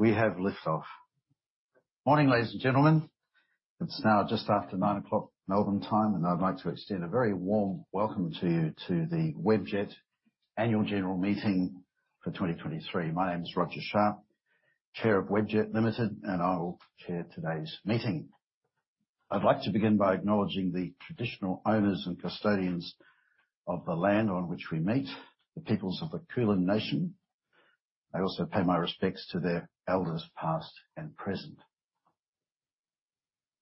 We have liftoff. Morning, ladies and gentlemen. It's now just after 9:00 A.M. Melbourne time, and I'd like to extend a very warm welcome to you to the Webjet Annual General Meeting for 2023. My name is Roger Sharp, Chair of Webjet Limited, and I will chair today's meeting. I'd like to begin by acknowledging the traditional owners and custodians of the land on which we meet, the peoples of the Kulin Nation. I also pay my respects to their elders, past and present.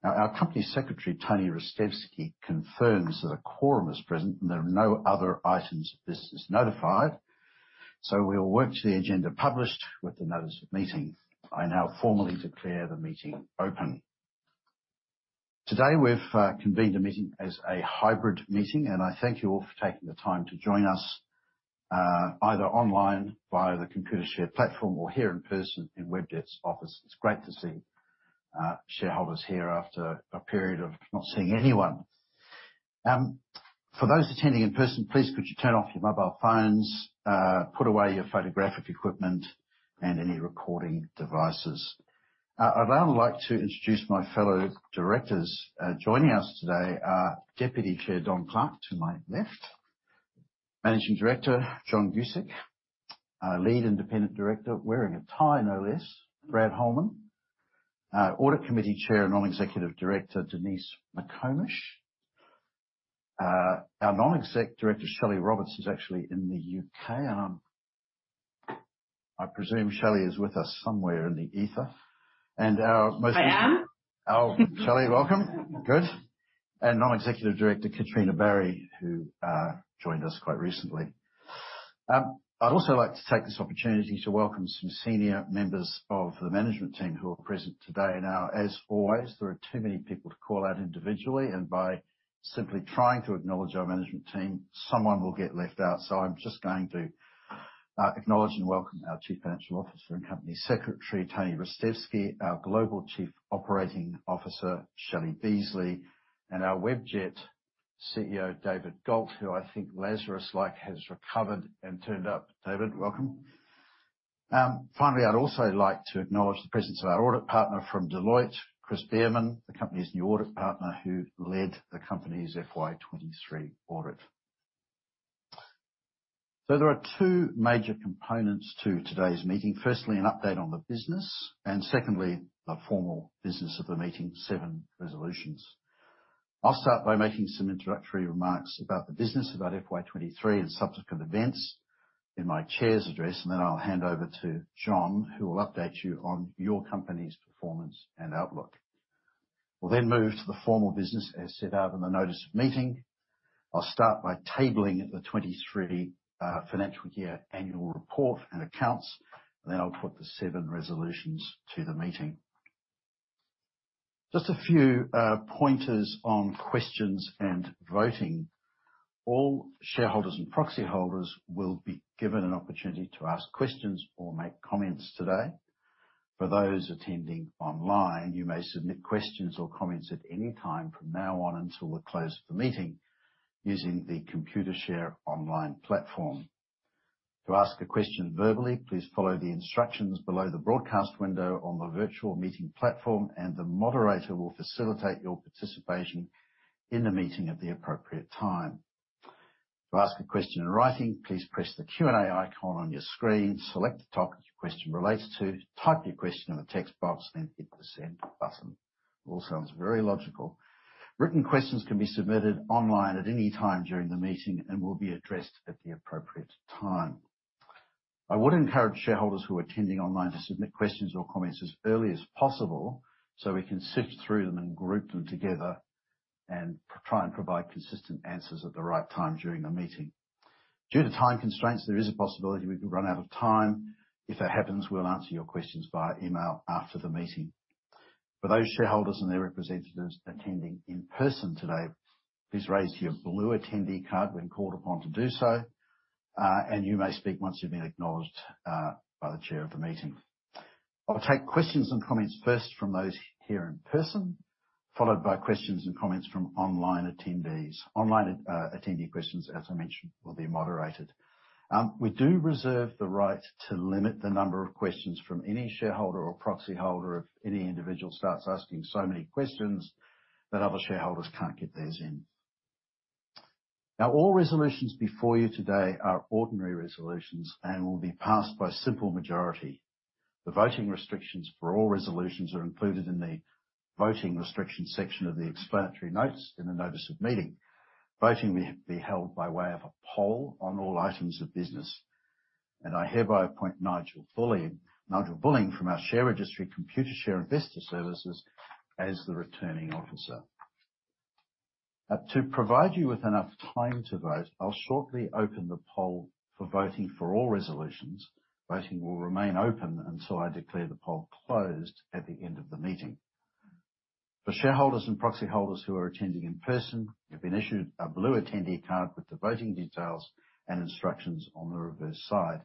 Now, our company secretary, Tony Ristevski, confirms that a quorum is present, and there are no other items of business notified. So we'll work to the agenda published with the notice of meeting. I now formally declare the meeting open. Today, we've convened a meeting as a hybrid meeting, and I thank you all for taking the time to join us, either online via the Computershare platform or here in person in Webjet's office. It's great to see shareholders here after a period of not seeing anyone. For those attending in person, please could you turn off your mobile phones, put away your photographic equipment and any recording devices. I'd now like to introduce my fellow directors. Joining us today are Deputy Chair Don Clarke, to my left; Managing Director, John Guscic; our Lead Independent Director, wearing a tie, no less, Brad Holman; our Audit Committee Chair and Non-Executive Director, Denise McComish. Our Non-Exec Director, Shelley Roberts, is actually in the U.K., and I'm-- I presume Shelley is with us somewhere in the ether. And our most- I am. Oh, Shelley, welcome. Good. And Non-Executive Director, Katrina Barry, who joined us quite recently. I'd also like to take this opportunity to welcome some senior members of the management team who are present today. Now, as always, there are too many people to call out individually, and by simply trying to acknowledge our management team, someone will get left out, so I'm just going to acknowledge and welcome our Chief Financial Officer and Company Secretary, Tony Ristevski; our Global Chief Operating Officer, Shelley Beasley; and our Webjet CEO, David Galt, who I think, Lazarus-like, has recovered and turned up. David, welcome. Finally, I'd also like to acknowledge the presence of our audit partner from Deloitte, Chris Biermann, the company's new audit partner, who led the company's FY 2023 audit. So there are two major components to today's meeting. Firstly, an update on the business, and secondly, the formal business of the meeting, 7 resolutions. I'll start by making some introductory remarks about the business, about FY 2023 and subsequent events in my chair's address, and then I'll hand over to John, who will update you on your company's performance and outlook. We'll then move to the formal business as set out in the notice of meeting. I'll start by tabling the 23 financial year annual report and accounts, and then I'll put the 7 resolutions to the meeting. Just a few pointers on questions and voting. All shareholders and proxy holders will be given an opportunity to ask questions or make comments today. For those attending online, you may submit questions or comments at any time from now on until the close of the meeting, using the Computershare online platform. To ask a question verbally, please follow the instructions below the broadcast window on the virtual meeting platform, and the moderator will facilitate your participation in the meeting at the appropriate time. To ask a question in writing, please press the Q&A icon on your screen, select the topic your question relates to, type your question in the text box, then hit the send button. All sounds very logical. Written questions can be submitted online at any time during the meeting and will be addressed at the appropriate time. I would encourage shareholders who are attending online to submit questions or comments as early as possible, so we can sift through them and group them together and try and provide consistent answers at the right time during the meeting. Due to time constraints, there is a possibility we could run out of time. If that happens, we'll answer your questions via email after the meeting. For those shareholders and their representatives attending in person today, please raise your blue attendee card when called upon to do so, and you may speak once you've been acknowledged by the chair of the meeting. I'll take questions and comments first from those here in person, followed by questions and comments from online attendees. Online attendee questions, as I mentioned, will be moderated. We do reserve the right to limit the number of questions from any shareholder or proxy holder if any individual starts asking so many questions that other shareholders can't get theirs in. Now, all resolutions before you today are ordinary resolutions and will be passed by simple majority. The voting restrictions for all resolutions are included in the Voting Restrictions section of the explanatory notes in the notice of meeting. Voting will be held by way of a poll on all items of business, and I hereby appoint Nigel Bolling, Nigel Bolling, from our share registry, Computershare Investor Services, as the Returning Officer. To provide you with enough time to vote, I'll shortly open the poll for voting for all resolutions. Voting will remain open until I declare the poll closed at the end of the meeting. For shareholders and proxy holders who are attending in person, you've been issued a blue attendee card with the voting details and instructions on the reverse side.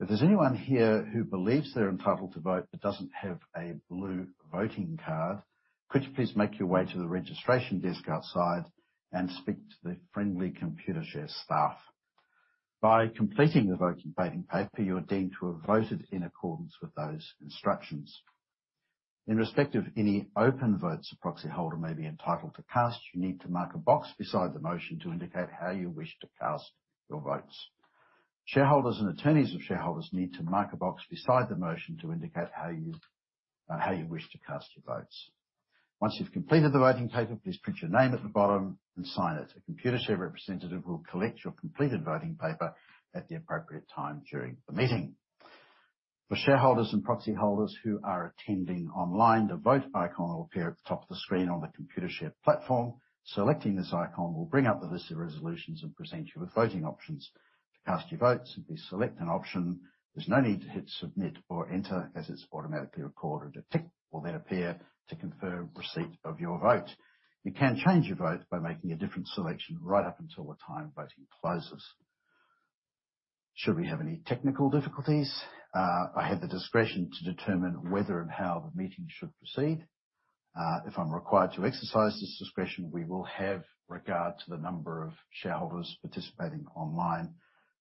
If there's anyone here who believes they're entitled to vote but doesn't have a blue voting card, could you please make your way to the registration desk outside and speak to the friendly Computershare staff? By completing the voting, voting paper, you are deemed to have voted in accordance with those instructions. In respect of any open votes a proxy holder may be entitled to cast, you need to mark a box beside the motion to indicate how you wish to cast your votes. Shareholders and attorneys of shareholders need to mark a box beside the motion to indicate how you wish to cast your votes. Once you've completed the voting paper, please print your name at the bottom and sign it. A Computershare representative will collect your completed voting paper at the appropriate time during the meeting. For shareholders and proxy holders who are attending online, the Vote icon will appear at the top of the screen on the Computershare platform. Selecting this icon will bring up the list of resolutions and present you with voting options. To cast your votes, simply select an option. There's no need to hit Submit or Enter, as it's automatically recorded. A tick will then appear to confirm receipt of your vote. You can change your vote by making a different selection right up until the time voting closes. Should we have any technical difficulties, I have the discretion to determine whether and how the meeting should proceed. If I'm required to exercise this discretion, we will have regard to the number of shareholders participating online,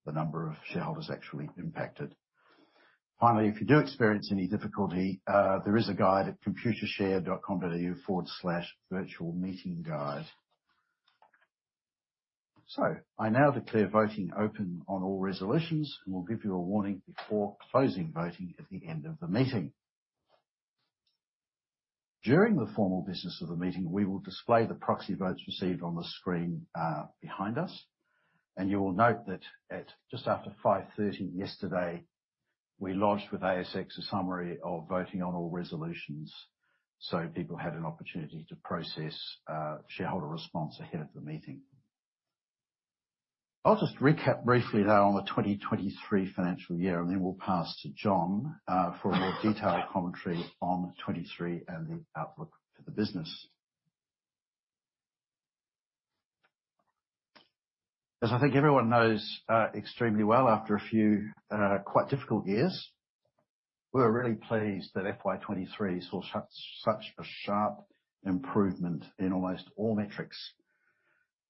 the number of shareholders actually impacted. Finally, if you do experience any difficulty, there is a guide at computershare.com.au/virtualmeetingguide. So I now declare voting open on all resolutions and will give you a warning before closing voting at the end of the meeting. During the formal business of the meeting, we will display the proxy votes received on the screen, behind us, and you will note that at just after 5:30 yesterday, we lodged with ASX a summary of voting on all resolutions, so people had an opportunity to process, shareholder response ahead of the meeting. I'll just recap briefly, though, on the 2023 financial year, and then we'll pass to John, for a more detailed commentary on 2023 and the outlook for the business. As I think everyone knows, extremely well, after a few, quite difficult years, we're really pleased that FY 2023 saw such, such a sharp improvement in almost all metrics.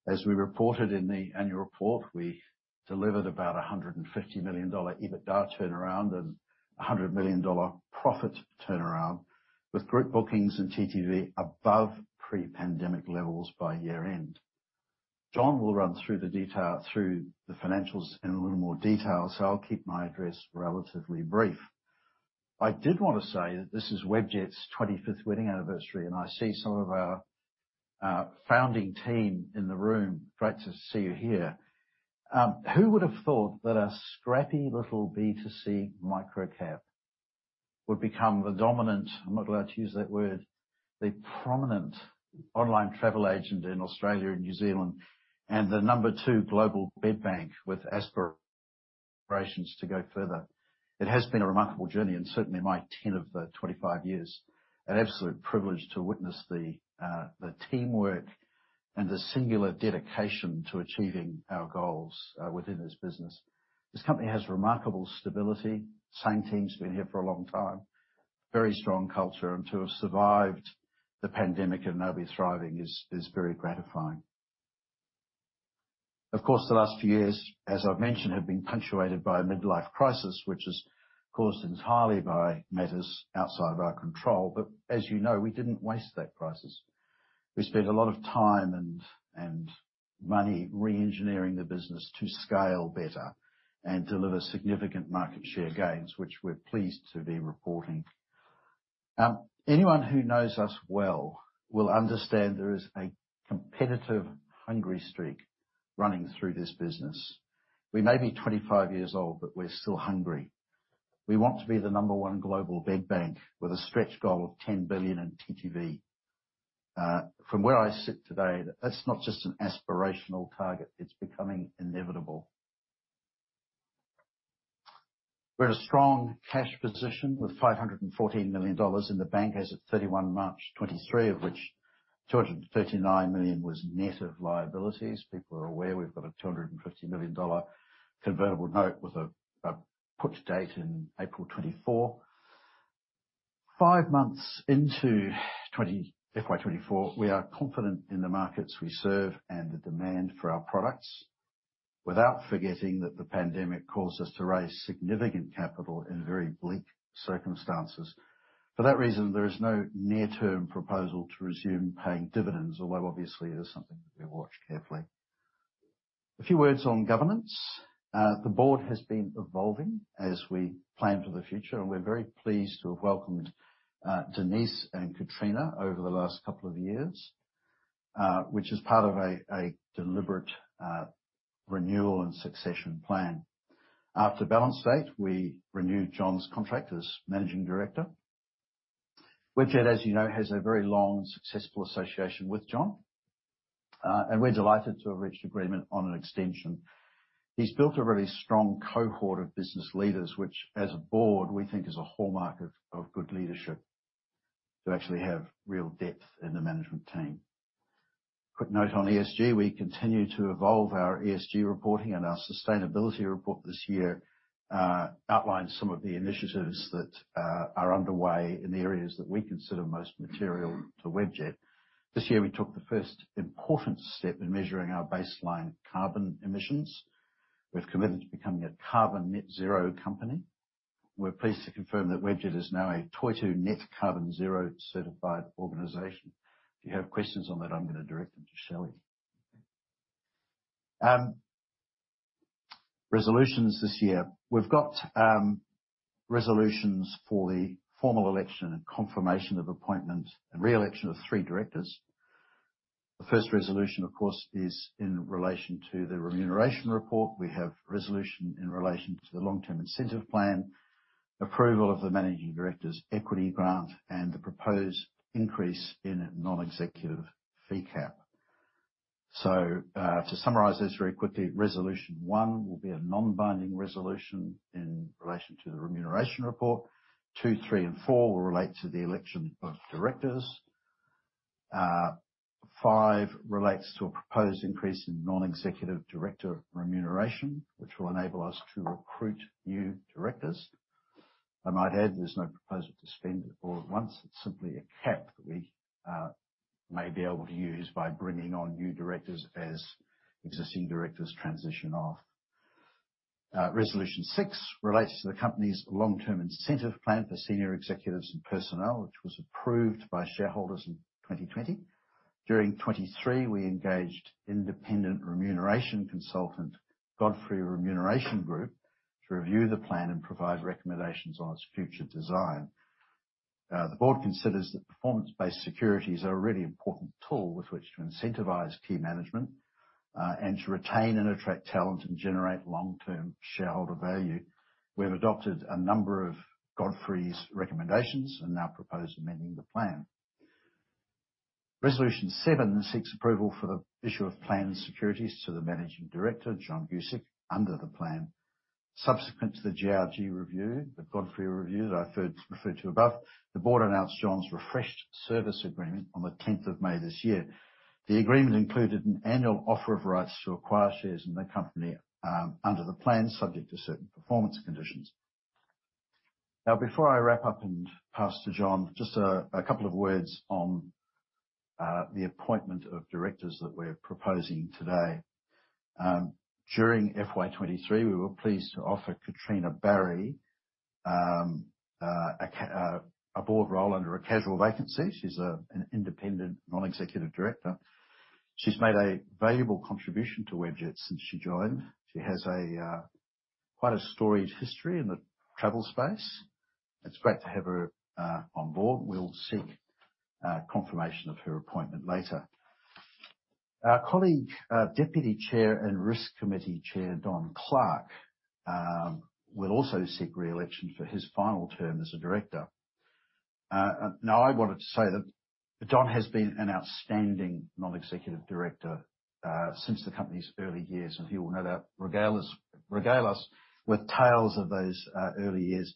As we reported in the annual report, we delivered about 150 million dollar EBITDA turnaround and a 100 million dollar profit turnaround, with group bookings and TTV above pre-pandemic levels by year-end. John will run through the detail through the financials in a little more detail, so I'll keep my address relatively brief. I did want to say that this is Webjet's 25th wedding anniversary, and I see some of our founding team in the room. Great to see you here. Who would have thought that a scrappy little B2C microcap would become the dominant, I'm not allowed to use that word, the prominent online travel agent in Australia and New Zealand, and the number two global bed bank, with aspirations to go further? It has been a remarkable journey, and certainly my 10 of the 25 years. An absolute privilege to witness the teamwork and the singular dedication to achieving our goals within this business. This company has remarkable stability. Same team's been here for a long time. Very strong culture, and to have survived the pandemic and now be thriving is very gratifying. Of course, the last few years, as I've mentioned, have been punctuated by a midlife crisis, which is caused entirely by matters outside of our control. But as you know, we didn't waste that crisis. We spent a lot of time and money re-engineering the business to scale better and deliver significant market share gains, which we're pleased to be reporting. Anyone who knows us well will understand there is a competitive, hungry streak running through this business. We may be 25 years old, but we're still hungry. We want to be the number one global bed bank with a stretch goal of 10 billion in TTV. From where I sit today, that's not just an aspirational target, it's becoming inevitable. We're in a strong cash position with 514 million dollars in the bank as at 31 March 2023, of which 239 million was net of liabilities. People are aware we've got a 250 million dollar convertible note with a put date in April 2024. Five months into FY 2024, we are confident in the markets we serve and the demand for our products, without forgetting that the pandemic caused us to raise significant capital in very bleak circumstances. For that reason, there is no near-term proposal to resume paying dividends, although obviously it is something that we watch carefully. A few words on governance. The board has been evolving as we plan for the future, and we're very pleased to have welcomed Denise and Katrina over the last couple of years, which is part of a deliberate renewal and succession plan. After balance date, we renewed John's contract as Managing Director. Webjet, as you know, has a very long and successful association with John, and we're delighted to have reached agreement on an extension. He's built a really strong cohort of business leaders, which, as a board, we think is a hallmark of good leadership, to actually have real depth in the management team. Quick note on ESG: We continue to evolve our ESG reporting, and our sustainability report this year outlines some of the initiatives that are underway in the areas that we consider most material to Webjet. This year, we took the first important step in measuring our baseline carbon emissions. We've committed to becoming a carbon net zero company. We're pleased to confirm that Webjet is now a Toitū Net Carbon Zero certified organization. If you have questions on that, I'm gonna direct them to Shelley. Resolutions this year. We've got resolutions for the formal election and confirmation of appointment and re-election of three directors. The first resolution, of course, is in relation to the remuneration report. We have resolution in relation to the long-term incentive plan, approval of the managing director's equity grant, and the proposed increase in non-executive fee cap. So, to summarize this very quickly, resolution one will be a non-binding resolution in relation to the remuneration report. Two, three, and four will relate to the election of directors. Five relates to a proposed increase in non-executive director remuneration, which will enable us to recruit new directors. I might add, there's no proposal to spend it all at once. It's simply a cap that we may be able to use by bringing on new directors as existing directors transition off. Resolution six relates to the company's long-term incentive plan for senior executives and personnel, which was approved by shareholders in 2020. During 2023, we engaged independent remuneration consultant, Godfrey Remuneration Group, to review the plan and provide recommendations on its future design. The board considers that performance-based securities are a really important tool with which to incentivize key management and to retain and attract talent and generate long-term shareholder value. We have adopted a number of Godfrey's recommendations and now propose amending the plan. Resolution 7 seeks approval for the issue of planned securities to the Managing Director, John Guscic, under the plan. Subsequent to the GRG review, the Godfrey review that I referred to above, the board announced John's refreshed service agreement on the tenth of May this year. The agreement included an annual offer of rights to acquire shares in the company under the plan, subject to certain performance conditions. Now, before I wrap up and pass to John, just a couple of words on the appointment of directors that we're proposing today. During FY 2023, we were pleased to offer Katrina Barry a board role under a casual vacancy. She's an independent non-executive director. She's made a valuable contribution to Webjet since she joined. She has quite a storied history in the travel space. It's great to have her on board. We'll seek confirmation of her appointment later. Our colleague, Deputy Chair and Risk Committee Chair, Don Clarke, will also seek re-election for his final term as a director. Now, I wanted to say that Don has been an outstanding non-executive director since the company's early years, and he will no doubt regale us, regale us with tales of those early years.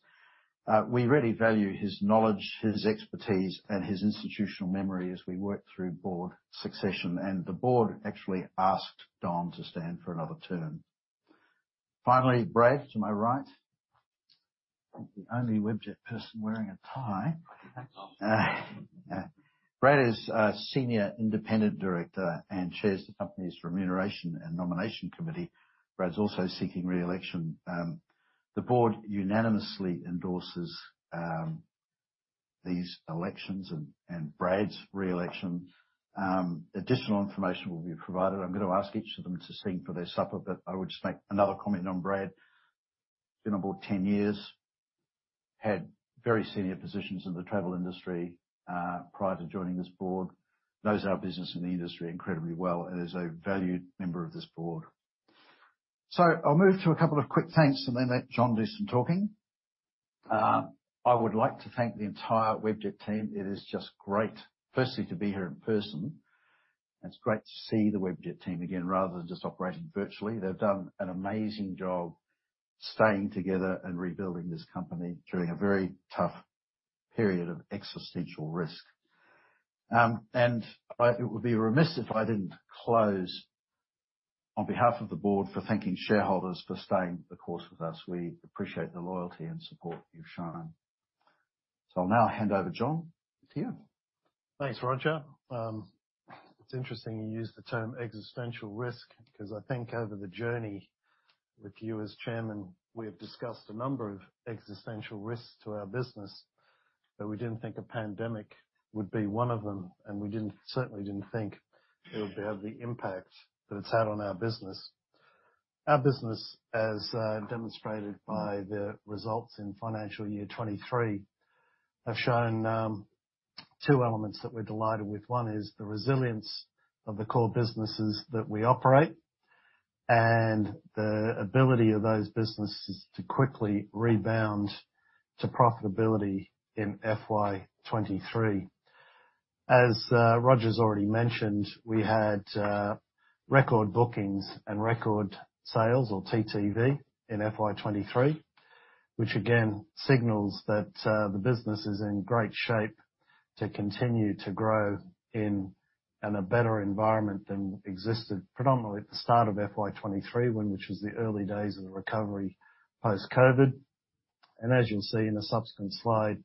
We really value his knowledge, his expertise, and his institutional memory as we work through board succession, and the board actually asked Don to stand for another term. Finally, Brad, to my right, the only Webjet person wearing a tie. Brad is a senior independent director and chairs the company's Remuneration and Nomination Committee. Brad's also seeking re-election. The board unanimously endorses these elections and, and Brad's re-election. Additional information will be provided. I'm gonna ask each of them to speak for their supper, but I would just make another comment on Brad. He's been on board ten years, had very senior positions in the travel industry, prior to joining this board, knows our business and the industry incredibly well, and is a valued member of this board. So I'll move to a couple of quick thanks and then let John do some talking. I would like to thank the entire Webjet team. It is just great, firstly, to be here in person, and it's great to see the Webjet team again, rather than just operating virtually. They've done an amazing job staying together and rebuilding this company during a very tough period of existential risk. It would be remiss if I didn't close on behalf of the board for thanking shareholders for staying the course with us. We appreciate the loyalty and support you've shown. So I'll now hand over John. It's you. Thanks, Roger. It's interesting you use the term existential risk, because I think over the journey with you as Chairman, we have discussed a number of existential risks to our business, but we didn't think a pandemic would be one of them, and we didn't, certainly didn't think it would have the impact that it's had on our business. Our business, as demonstrated by the results in financial year 2023, have shown two elements that we're delighted with. One is the resilience of the core businesses that we operate and the ability of those businesses to quickly rebound to profitability in FY 2023. As Roger's already mentioned, we had record bookings and record sales, or TTV, in FY 2023, which again signals that the business is in great shape to continue to grow in a better environment than existed predominantly at the start of FY 2023, which was the early days of the recovery post-Covid. As you'll see in the subsequent slide,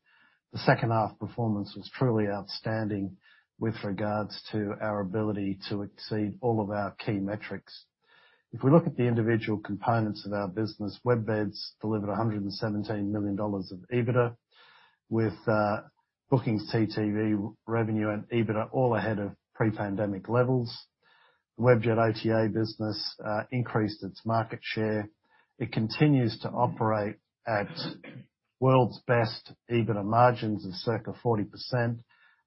the second half performance was truly outstanding with regards to our ability to exceed all of our key metrics. If we look at the individual components of our business, WebBeds delivered 117 million dollars of EBITDA, with bookings, TTV, revenue, and EBITDA all ahead of pre-pandemic levels. The Webjet OTA business increased its market share. It continues to operate at world's best EBITDA margins of circa 40%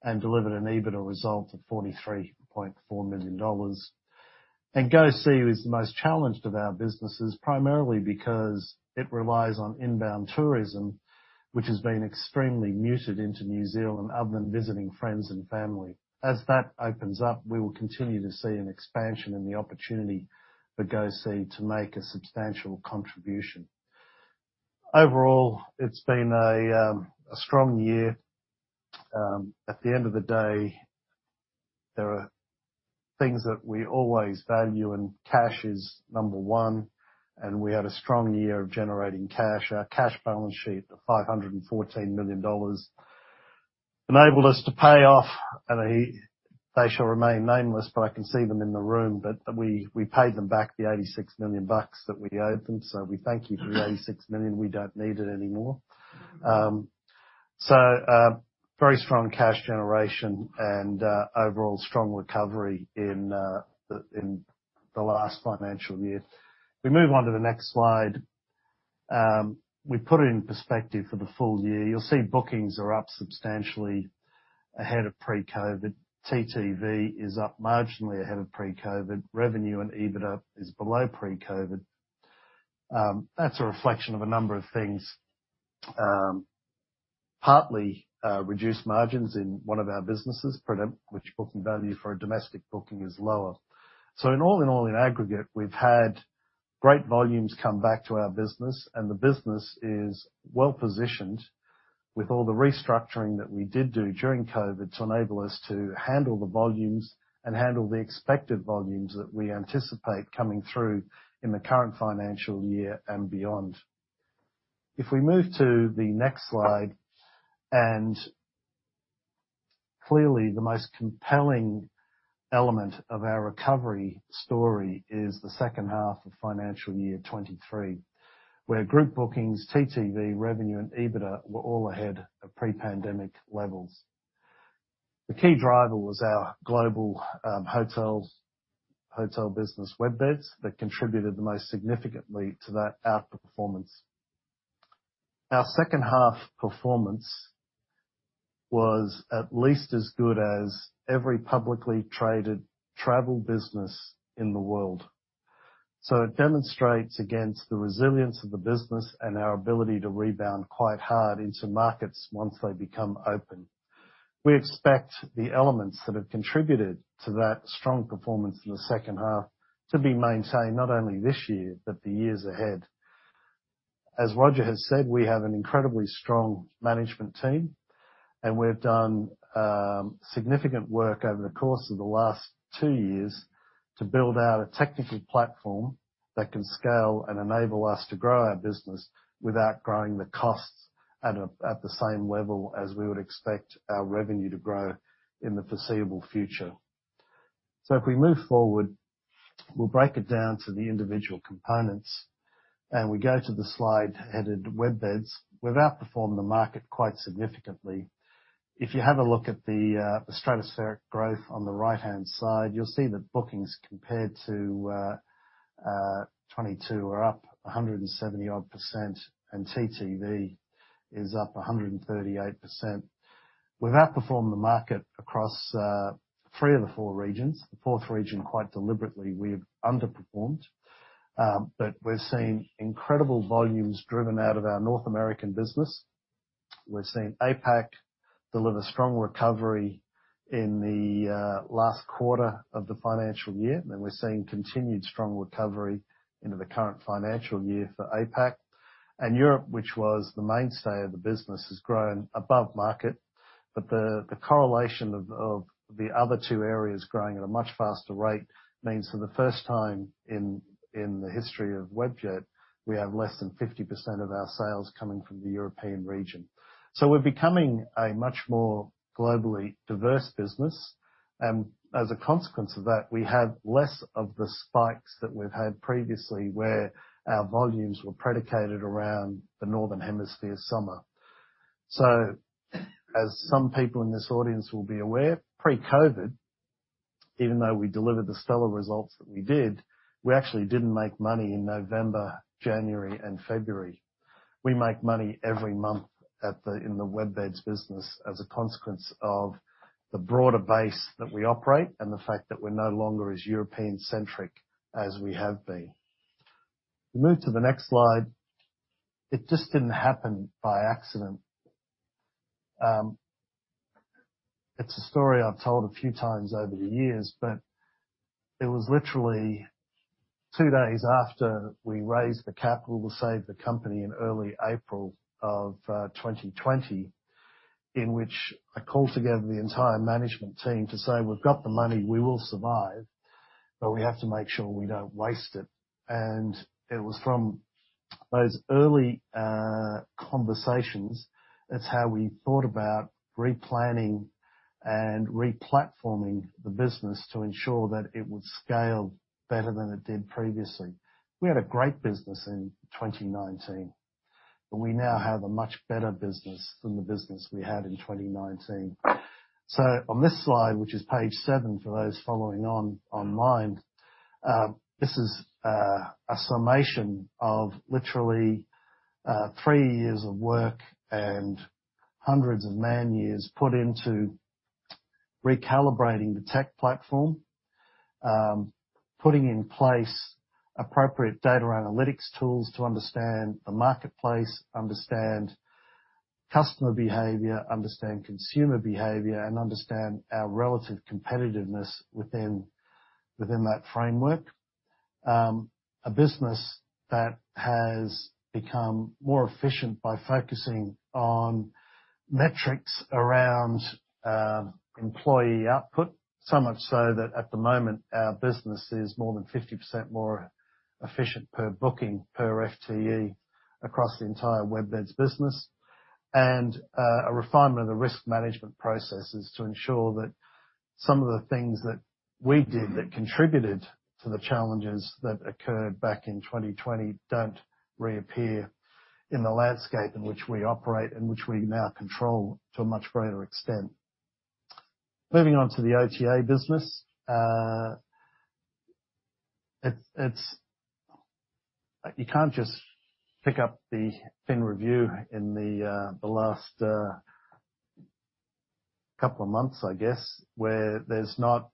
and delivered an EBITDA result of 43.4 million dollars. GoSee is the most challenged of our businesses, primarily because it relies on inbound tourism, which has been extremely muted into New Zealand other than visiting friends and family. As that opens up, we will continue to see an expansion in the opportunity for GoSee to make a substantial contribution. Overall, it's been a strong year. At the end of the day, there are things that we always value, and cash is number one, and we had a strong year of generating cash. Our cash balance sheet of 514 million dollars enabled us to pay off, and they shall remain nameless, but I can see them in the room, but we, we paid them back the 86 million bucks that we owed them. So we thank you for the 86 million. We don't need it anymore. So, very strong cash generation and overall strong recovery in the last financial year. We move on to the next slide. We've put it in perspective for the full year. You'll see bookings are up substantially ahead of pre-COVID. TTV is up marginally ahead of pre-COVID. Revenue and EBITDA is below pre-COVID. That's a reflection of a number of things, partly reduced margins in one of our businesses, which booking value for a domestic booking is lower. So in all, in all, in aggregate, we've had great volumes come back to our business, and the business is well positioned with all the restructuring that we did do during COVID to enable us to handle the volumes and handle the expected volumes that we anticipate coming through in the current financial year and beyond. If we move to the next slide, and clearly the most compelling element of our recovery story is the second half of financial year 2023, where group bookings, TTV, revenue, and EBITDA were all ahead of pre-pandemic levels. The key driver was our global, hotels, Hotel business, WebBeds, that contributed the most significantly to that outperformance. Our second half performance was at least as good as every publicly traded travel business in the world. So it demonstrates the resilience of the business and our ability to rebound quite hard into markets once they become open. We expect the elements that have contributed to that strong performance in the second half to be maintained, not only this year, but the years ahead. As Roger has said, we have an incredibly strong management team, and we've done significant work over the course of the last two years to build out a technical platform that can scale and enable us to grow our business without growing the costs at a, at the same level as we would expect our revenue to grow in the foreseeable future. So if we move forward, we'll break it down to the individual components, and we go to the slide headed: WebBeds. We've outperformed the market quite significantly. If you have a look at the stratospheric growth on the right-hand side, you'll see that bookings compared to 2022 are up 170-odd%, and TTV is up 138%. We've outperformed the market across three of the four regions. The fourth region, quite deliberately, we've underperformed. But we're seeing incredible volumes driven out of our North American business. We're seeing APAC deliver strong recovery in the last quarter of the financial year, and we're seeing continued strong recovery into the current financial year for APAC. And Europe, which was the mainstay of the business, has grown above market, but the correlation of the other two areas growing at a much faster rate means for the first time in the history of Webjet, we have less than 50% of our sales coming from the European region. So we're becoming a much more globally diverse business, and as a consequence of that, we have less of the spikes that we've had previously, where our volumes were predicated around the Northern Hemisphere summer. So as some people in this audience will be aware, pre-COVID, even though we delivered the stellar results that we did, we actually didn't make money in November, January, and February. We make money every month in the WebBeds business, as a consequence of the broader base that we operate and the fact that we're no longer as European-centric as we have been. We move to the next slide. It just didn't happen by accident. It's a story I've told a few times over the years, but it was literally two days after we raised the capital to save the company in early April of 2020... in which I called together the entire management team to say, "We've got the money, we will survive, but we have to make sure we don't waste it." And it was from those early conversations, that's how we thought about replanning and re-platforming the business to ensure that it would scale better than it did previously. We had a great business in 2019, but we now have a much better business than the business we had in 2019. So on this slide, which is page seven, for those following on online, this is a summation of literally three years of work and hundreds of man years put into recalibrating the tech platform. Putting in place appropriate data analytics tools to understand the marketplace, understand customer behavior, understand consumer behavior, and understand our relative competitiveness within that framework. A business that has become more efficient by focusing on metrics around employee output. So much so that at the moment, our business is more than 50% more efficient per booking, per FTE across the entire WebBeds business. And a refinement of the risk management processes to ensure that some of the things that we did that contributed to the challenges that occurred back in 2020 don't reappear in the landscape in which we operate and which we now control to a much greater extent. Moving on to the OTA business. You can't just pick up the Fin Review in the last couple of months, I guess, where there's not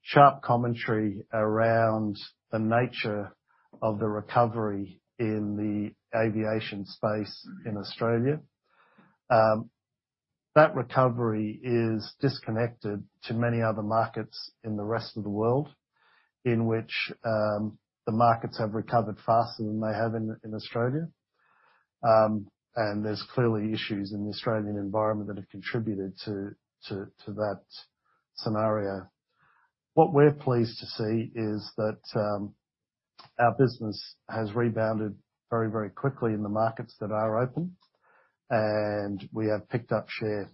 sharp commentary around the nature of the recovery in the aviation space in Australia. That recovery is disconnected to many other markets in the rest of the world, in which the markets have recovered faster than they have in Australia. There's clearly issues in the Australian environment that have contributed to that scenario. What we're pleased to see is that our business has rebounded very, very quickly in the markets that are open, and we have picked up share.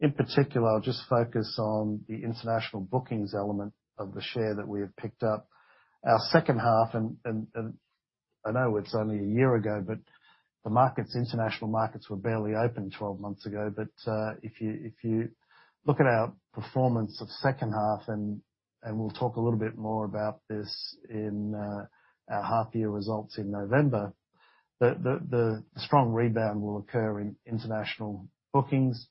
In particular, I'll just focus on the international bookings element of the share that we have picked up. Our second half, and I know it's only a year ago, but the markets, international markets, were barely open twelve months ago. But, if you look at our performance of second half, and we'll talk a little bit more about this in our half-year results in November, the strong rebound will occur in international bookings.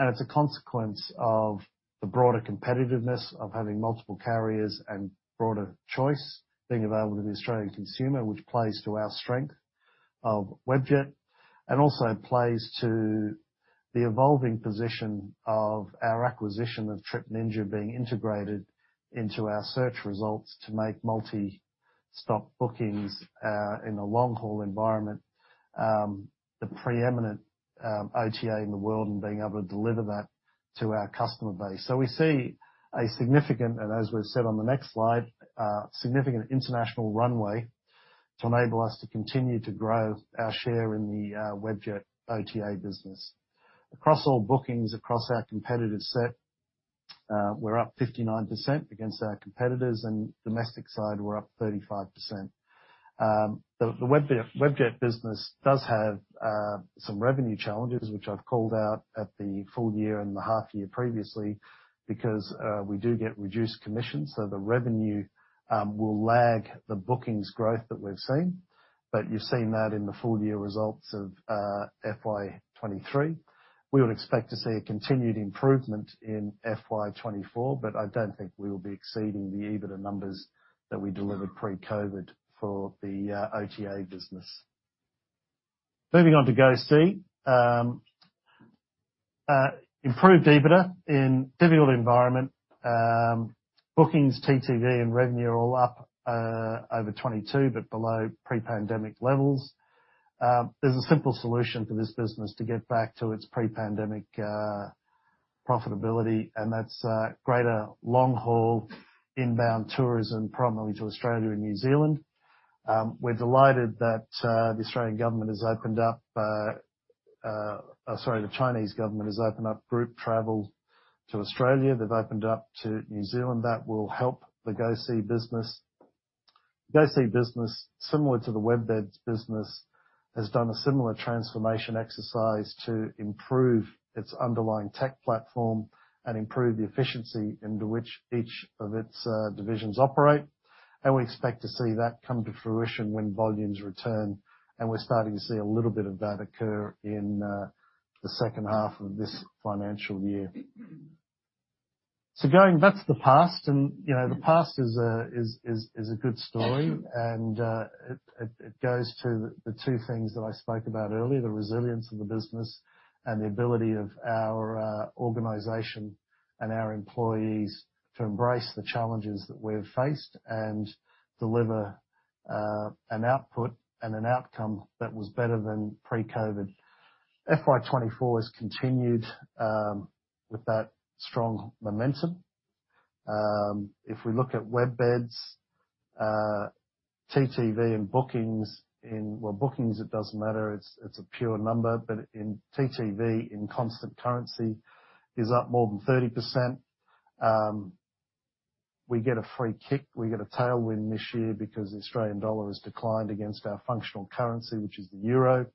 And it's a consequence of the broader competitiveness of having multiple carriers and broader choice being available to the Australian consumer, which plays to our strength of Webjet, and also plays to the evolving position of our acquisition of Trip Ninja being integrated into our search results to make multi-stop bookings in a long-haul environment, the preeminent OTA in the world, and being able to deliver that to our customer base. So we see a significant, and as we've said on the next slide, a significant international runway to enable us to continue to grow our share in the Webjet OTA business. Across all bookings, across our competitive set, we're up 59% against our competitors, and domestic side, we're up 35%. The Webjet business does have some revenue challenges, which I've called out at the full year and the half year previously, because we do get reduced commissions, so the revenue will lag the bookings growth that we've seen. But you've seen that in the full-year results of FY 2023. We would expect to see a continued improvement in FY 2024, but I don't think we will be exceeding the EBITDA numbers that we delivered pre-COVID for the OTA business. Moving on to GoSee. Improved EBITDA in difficult environment. Bookings, TTV and revenue are all up over 22, but below pre-pandemic levels. There's a simple solution for this business to get back to its pre-pandemic profitability, and that's greater long-haul inbound tourism, primarily to Australia and New Zealand. We're delighted that the Australian government has opened up... Sorry, the Chinese government has opened up group travel to Australia. They've opened up to New Zealand. That will help the GoSee business. GoSee business, similar to the WebBeds business, has done a similar transformation exercise to improve its underlying tech platform and improve the efficiency into which each of its divisions operate. And we expect to see that come to fruition when volumes return, and we're starting to see a little bit of that occur in the second half of this financial year. That's the past, and, you know, the past is a good story, and, it goes to the two things that I spoke about earlier: the resilience of the business and the ability of our organization and our employees to embrace the challenges that we've faced and deliver an output and an outcome that was better than pre-COVID. FY 2024 has continued with that strong momentum. If we look at WebBeds, TTV and bookings. Well, bookings, it doesn't matter, it's a pure number, but in TTV, in constant currency, is up more than 30%. We get a free kick. We get a tailwind this year because the Australian dollar has declined against our functional currency, which is the euro,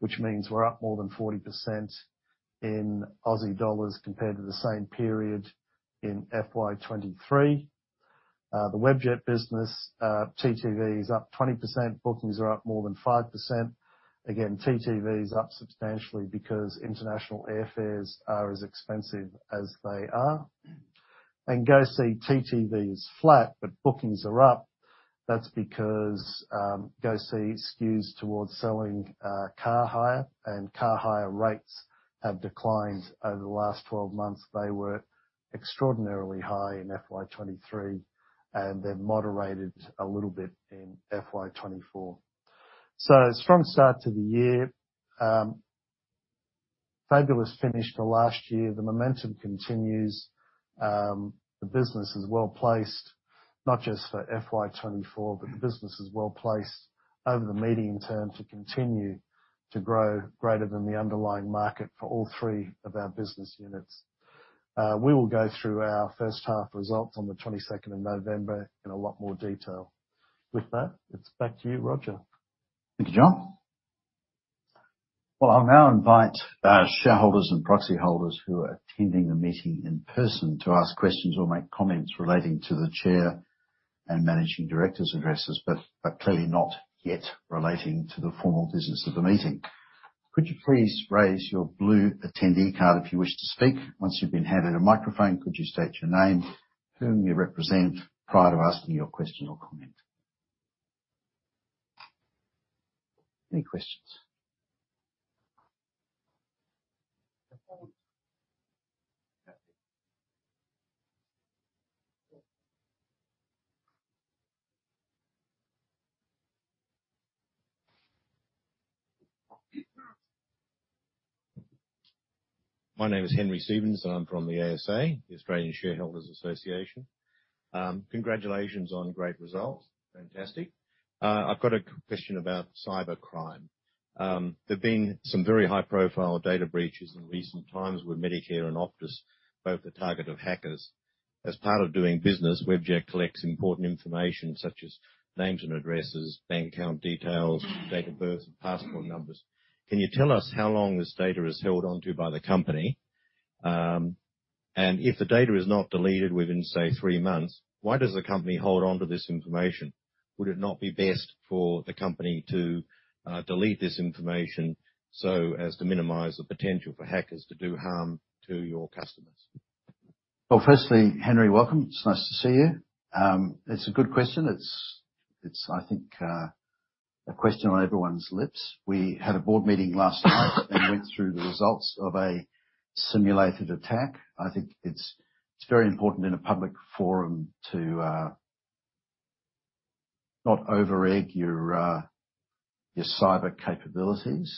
which means we're up more than 40% in Aussie dollars compared to the same period in FY 2023. The Webjet business, TTV is up 20%. Bookings are up more than 5%. Again, TTV is up substantially because international airfares are as expensive as they are. And GoSee, TTV is flat, but bookings are up. That's because, GoSee skews towards selling, car hire, and car hire rates have declined over the last 12 months. They were extraordinarily high in FY 2023, and they've moderated a little bit in FY 2024. So a strong start to the year. Fabulous finish to last year. The momentum continues. The business is well-placed, not just for FY 2024, but the business is well-placed over the medium term to continue to grow greater than the underlying market for all three of our business units. We will go through our first half results on the 22nd of November in a lot more detail. With that, it's back to you, Roger. Thank you, John. Well, I'll now invite our shareholders and proxy holders who are attending the meeting in person to ask questions or make comments relating to the chair and managing director's addresses, but clearly not yet relating to the formal business of the meeting. Could you please raise your blue attendee card if you wish to speak? Once you've been handed a microphone, could you state your name, whom you represent, prior to asking your question or comment. Any questions? My name is Henry Stevens, and I'm from the ASA, the Australian Shareholders Association. Congratulations on great results. Fantastic. I've got a question about cybercrime. There have been some very high-profile data breaches in recent times, with Medicare and Optus both the target of hackers. As part of doing business, Webjet collects important information such as names and addresses, bank account details, date of births, and passport numbers. Can you tell us how long this data is held onto by the company? And if the data is not deleted within, say, three months, why does the company hold on to this information? Would it not be best for the company to delete this information so as to minimize the potential for hackers to do harm to your customers? Well, firstly, Henry, welcome. It's nice to see you. It's a good question. It's I think a question on everyone's lips. We had a board meeting last night and went through the results of a simulated attack. I think it's very important in a public forum to not overegg your cyber capabilities.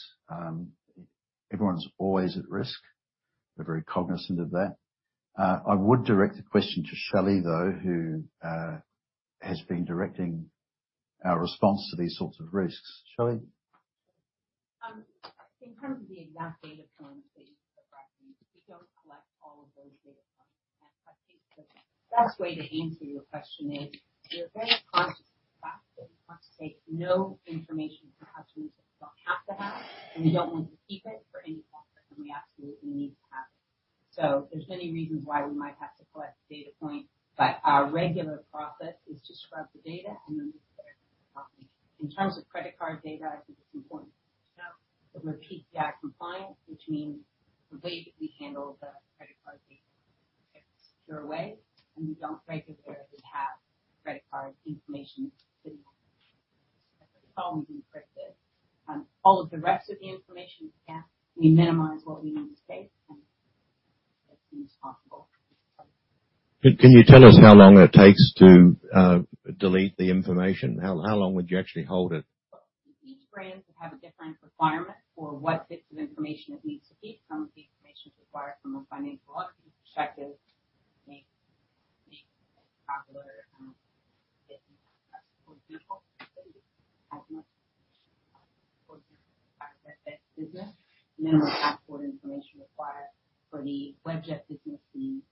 Everyone's always at risk. We're very cognizant of that. I would direct the question to Shelley, though, who has been directing our response to these sorts of risks. Shelley? In terms of the exact data points that you've referenced, we don't collect all of those data points. The best way to answer your question is, we are very conscious of the fact that we want to take no information from our customers we don't have to have, and we don't want to keep it for any longer than we absolutely need to have it. So there's many reasons why we might have to collect a data point, but our regular process is to scrub the data and then look at it. In terms of credit card data, I think it's important to know that we're PCI compliant, which means the way that we handle the credit card data is in a secure way, and we don't regularly have credit card information. It's always encrypted. All of the rest of the information, yeah, we minimize what we need to save and as soon as possible. Can, can you tell us how long it takes to delete the information? How, how long would you actually hold it? Each brand will have a different requirement for what bits of information it needs to keep. Some of the information is required from a financial audit perspective, for example, as much information as that business. No passport information required. For the Webjet business, the information is required to be handed off to an airline, and then it's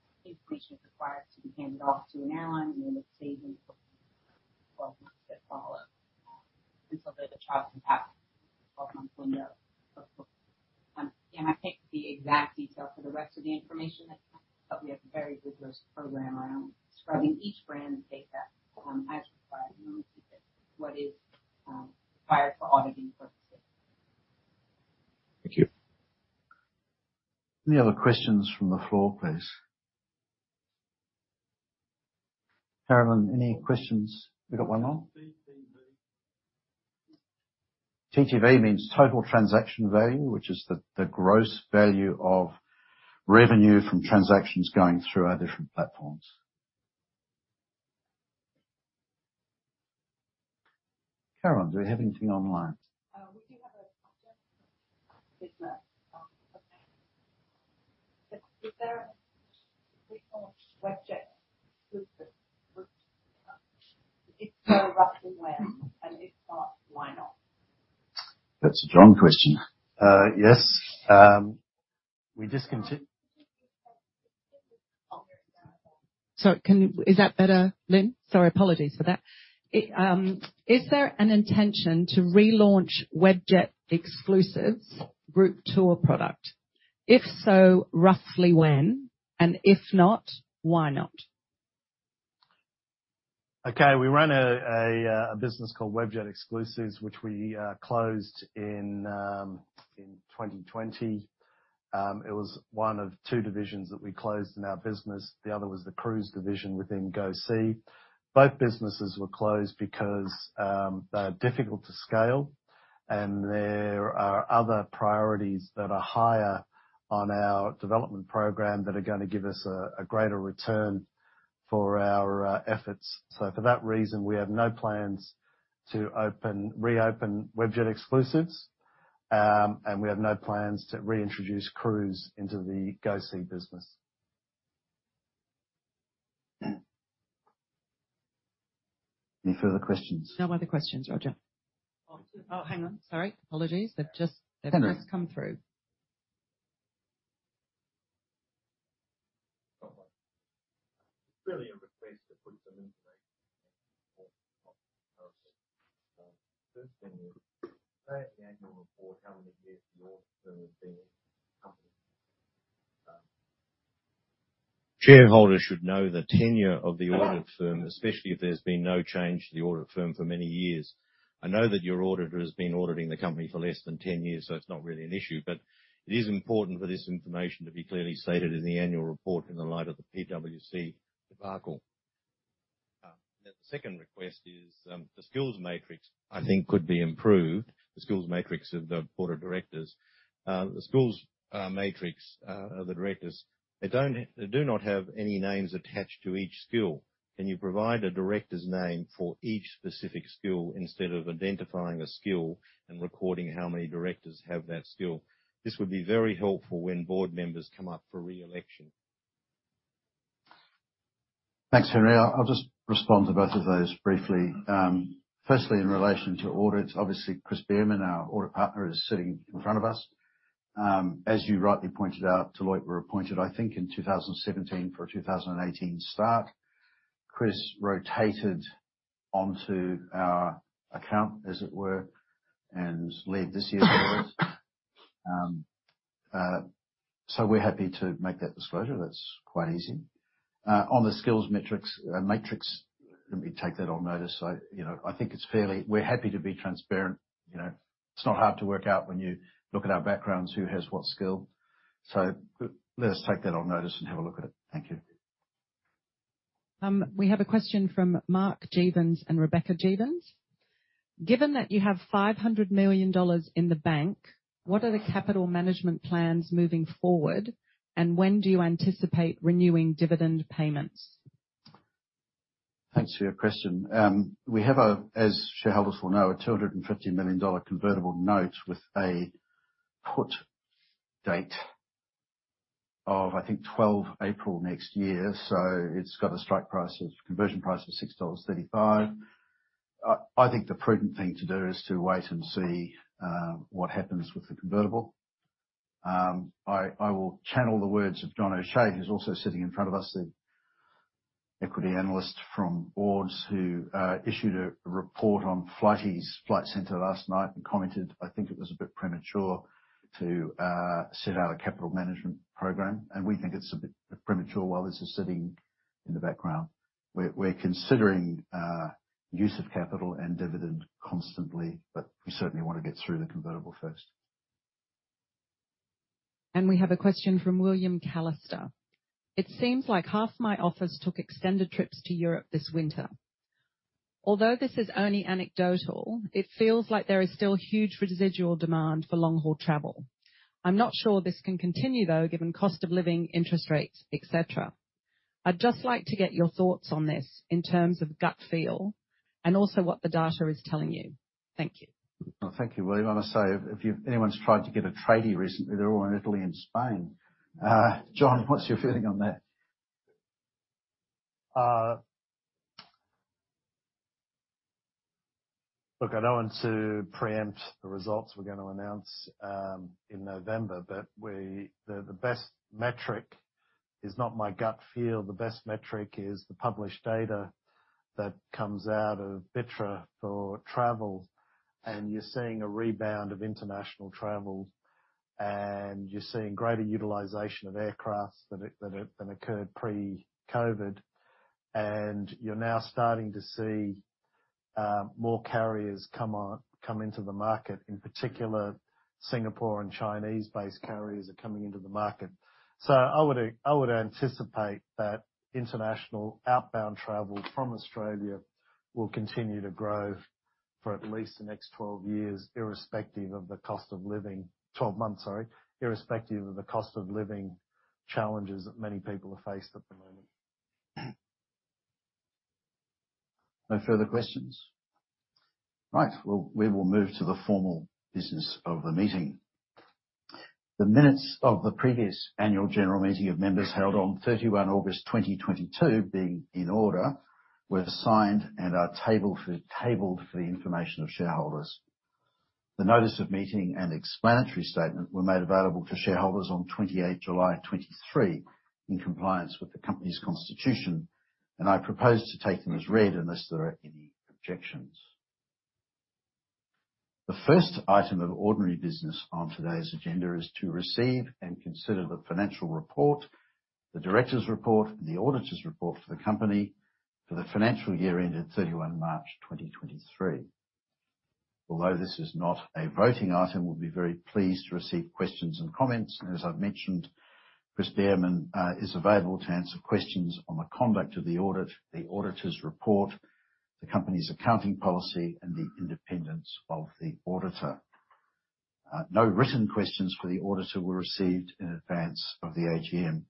saved for 12 months to follow, until the travels have happened, 12-month window. And I think the exact detail for the rest of the information, but we have a very rigorous program around scrubbing each brand of data, as required, and we keep it what is required for auditing purposes. Thank you. Any other questions from the floor, please? Carolyn, any questions? We got one more.... TTV means Total Transaction Value, which is the gross value of revenue from transactions going through our different platforms. Karen, do we have anything online? We do have a question. Is there a pre-launch Webjet exclusive group? If so, roughly when? And if not, why not? That's a strong question. Yes, we just continue- Sorry, can you—is that better, Lynn? Sorry, apologies for that. Is there an intention to relaunch Webjet Exclusives group tour product? If so, roughly when? And if not, why not? Okay. We ran a business called Webjet Exclusives, which we closed in 2020. It was one of two divisions that we closed in our business. The other was the cruise division within GoSee. Both businesses were closed because they are difficult to scale, and there are other priorities that are higher on our development program that are gonna give us a greater return for our efforts. So for that reason, we have no plans to reopen Webjet Exclusives, and we have no plans to reintroduce cruise into the GoSee business. Any further questions? No other questions, Roger. Oh, hang on. Sorry. Apologies. They've just- Henry. -come through. Really a request to put some information. First, in the annual report, how many years the audit firm has been in the company? Shareholders should know the tenure of the audit firm, especially if there's been no change to the audit firm for many years. I know that your auditor has been auditing the company for less than 10 years, so it's not really an issue, but it is important for this information to be clearly stated in the annual report in the light of the PwC debacle. Then the second request is, the skills matrix, I think, could be improved. The skills matrix of the board of directors. The skills matrix of the directors, they don't, they do not have any names attached to each skill. Can you provide a director's name for each specific skill instead of identifying a skill and recording how many directors have that skill? This would be very helpful when board members come up for re-election. Thanks, Henry. I'll just respond to both of those briefly. Firstly, in relation to audits, obviously, Chris Biermann, our audit partner, is sitting in front of us. As you rightly pointed out, Deloitte were appointed, I think, in 2017 for a 2018 start. Chris rotated onto our account, as it were, and led this year's audit. So we're happy to make that disclosure. That's quite easy. On the skills metrics matrix, let me take that on notice. So, you know, I think it's fairly. We're happy to be transparent, you know. It's not hard to work out when you look at our backgrounds, who has what skill. So let us take that on notice and have a look at it. Thank you. We have a question from Mark Jeavons and Rebecca Jeavons. Given that you have 500 million dollars in the bank, what are the capital management plans moving forward, and when do you anticipate renewing dividend payments? Thanks for your question. We have a, as shareholders will know, a 250 million dollar convertible note with a put date of, I think, twelve April next year. So it's got a strike price of, conversion price of 6.35 dollars. I think the prudent thing to do is to wait and see what happens with the convertible. I will channel the words of John O'Shea, who's also sitting in front of us, the equity analyst from Ord, who issued a report on Flight Centre last night and commented, "I think it was a bit premature to set out a capital management program." And we think it's a bit premature while this is sitting in the background. We're considering use of capital and dividend constantly, but we certainly want to get through the convertible first. We have a question from William Callister: It seems like half my office took extended trips to Europe this winter. Although this is only anecdotal, it feels like there is still huge residual demand for long-haul travel. I'm not sure this can continue, though, given cost of living, interest rates, et cetera. I'd just like to get your thoughts on this in terms of gut feel and also what the data is telling you. Thank you. Well, thank you, William. I must say, if anyone's tried to get a tradie recently, they're all in Italy and Spain. John, what's your feeling on that? Look, I don't want to preempt the results we're going to announce in November, but the best metric is not my gut feel. The best metric is the published data that comes out of BITRE for travel, and you're seeing a rebound of international travel, and you're seeing greater utilization of aircraft than occurred pre-COVID. And you're now starting to see more carriers come on, come into the market. In particular, Singapore and Chinese-based carriers are coming into the market. So I would anticipate that international outbound travel from Australia will continue to grow. ... for at least the next 12 years, irrespective of the cost of living - 12 months, sorry, irrespective of the cost of living challenges that many people are faced at the moment. No further questions? Right, well, we will move to the formal business of the meeting. The minutes of the previous annual general meeting of members held on 31 August 2022, being in order, were signed and are tabled for the information of shareholders. The notice of meeting and explanatory statement were made available to shareholders on 28 July 2023, in compliance with the company's constitution, and I propose to take them as read, unless there are any objections. The first item of ordinary business on today's agenda is to receive and consider the financial report, the directors' report, and the auditors' report for the company for the financial year ended 31 March 2023. Although this is not a voting item, we'll be very pleased to receive questions and comments, and as I've mentioned, Chris Biermann is available to answer questions on the conduct of the audit, the auditor's report, the company's accounting policy, and the independence of the auditor. No written questions for the auditor were received in advance of the AGM.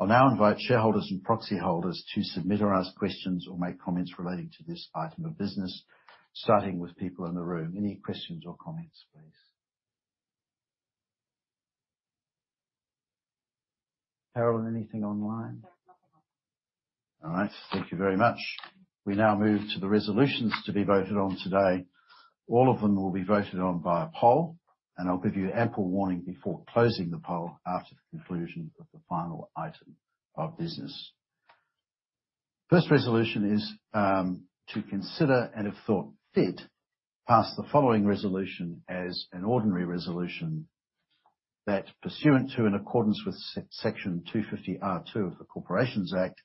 I'll now invite shareholders and proxy holders to submit or ask questions or make comments relating to this item of business, starting with people in the room. Any questions or comments, please? Carolyn, anything online? There's nothing online. All right. Thank you very much. We now move to the resolutions to be voted on today. All of them will be voted on by a poll, and I'll give you ample warning before closing the poll after the conclusion of the final item of business. First resolution is to consider and, if thought fit, pass the following resolution as an ordinary resolution that, pursuant to, in accordance with Section 250R(2) of the Corporations Act,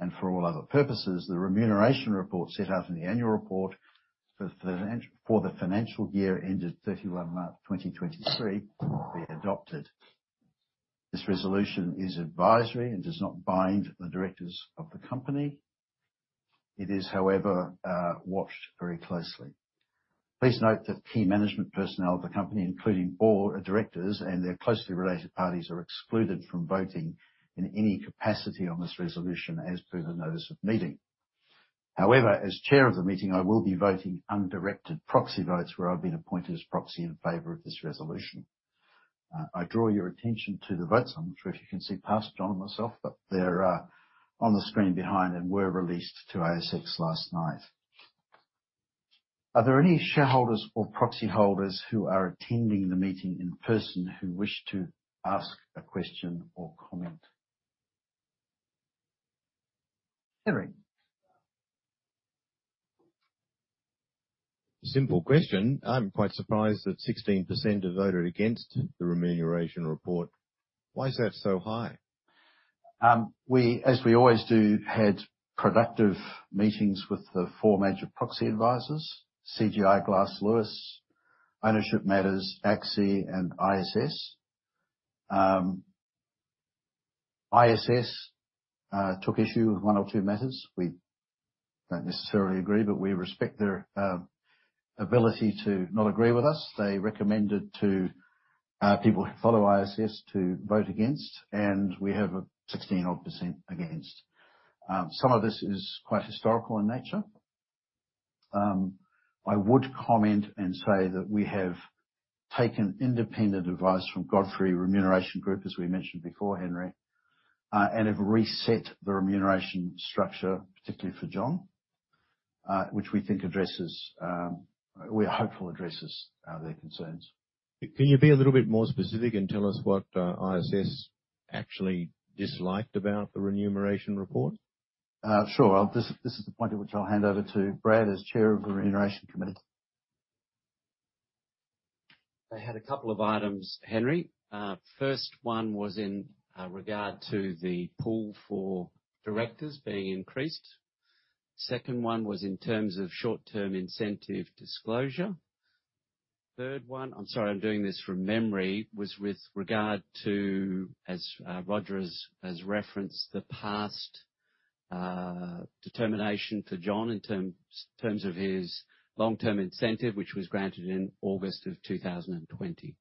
and for all other purposes, the remuneration report set out in the annual report for the financial year ended 31 March 2023, be adopted. This resolution is advisory and does not bind the directors of the company. It is, however, watched very closely. Please note that key management personnel of the company, including all directors and their closely related parties, are excluded from voting in any capacity on this resolution as per the notice of meeting. However, as chair of the meeting, I will be voting undirected proxy votes where I've been appointed as proxy in favor of this resolution. I draw your attention to the vote. I'm not sure if you can see past John and myself, but they're on the screen behind and were released to ASX last night. Are there any shareholders or proxy holders who are attending the meeting in person who wish to ask a question or comment? Henry. Simple question. I'm quite surprised that 16% have voted against the remuneration report. Why is that so high? We, as we always do, had productive meetings with the four major proxy advisors, CGI Glass Lewis, Ownership Matters, ACSI, and ISS. ISS took issue with one or two matters. We don't necessarily agree, but we respect their ability to not agree with us. They recommended to people who follow ISS to vote against, and we have a 16-odd% against. Some of this is quite historical in nature. I would comment and say that we have taken independent advice from Godfrey Remuneration Group, as we mentioned before, Henry, and have reset the remuneration structure, particularly for John, which we think addresses, we are hopeful addresses, their concerns. Can you be a little bit more specific and tell us what ISS actually disliked about the remuneration report? Sure. I'll—this, this is the point at which I'll hand over to Brad as Chair of the Remuneration Committee. They had a couple of items, Henry. First one was in regard to the pool for directors being increased. Second one was in terms of short-term incentive disclosure. Third one, I'm sorry, I'm doing this from memory, was with regard to, as Roger has referenced, the past determination for John in terms of his long-term incentive, which was granted in August of 2020.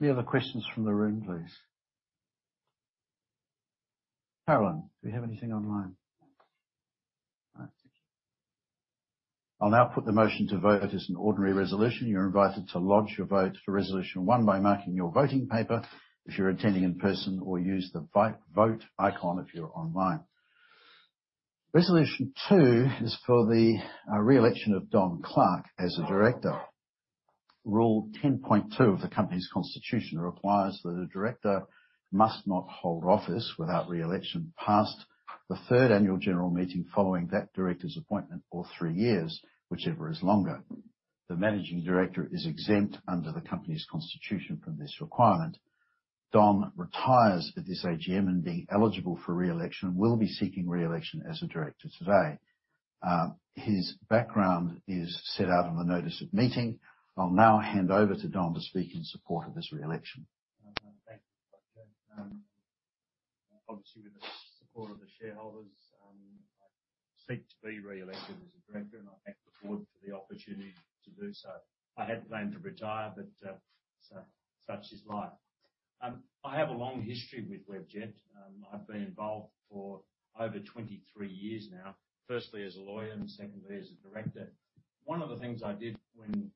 Any other questions from the room, please? Carolyn, do we have anything online? All right, thank you. I'll now put the motion to vote as an ordinary resolution. You're invited to lodge your vote for resolution one by marking your voting paper if you're attending in person, or use the vote icon if you're online. Resolution two is for the re-election of Don Clarke as a director. Rule 10.2 of the company's constitution requires that a director must not hold office without re-election past the third annual general meeting following that director's appointment, or three years, whichever is longer. The managing director is exempt under the company's constitution from this requirement. Don retires at this AGM, and being eligible for re-election, will be seeking re-election as a director today. His background is set out in the notice of meeting. I'll now hand over to Don to speak in support of his re-election. Thank you, Roger. Obviously, with the support of the shareholders, I seek to be re-elected as a director, and I thank the board for the opportunity to do so. I had planned to retire, but, so, such is life. I have a long history with Webjet. I've been involved for over 23 years now, firstly as a lawyer and secondly as a director. One of the things I did when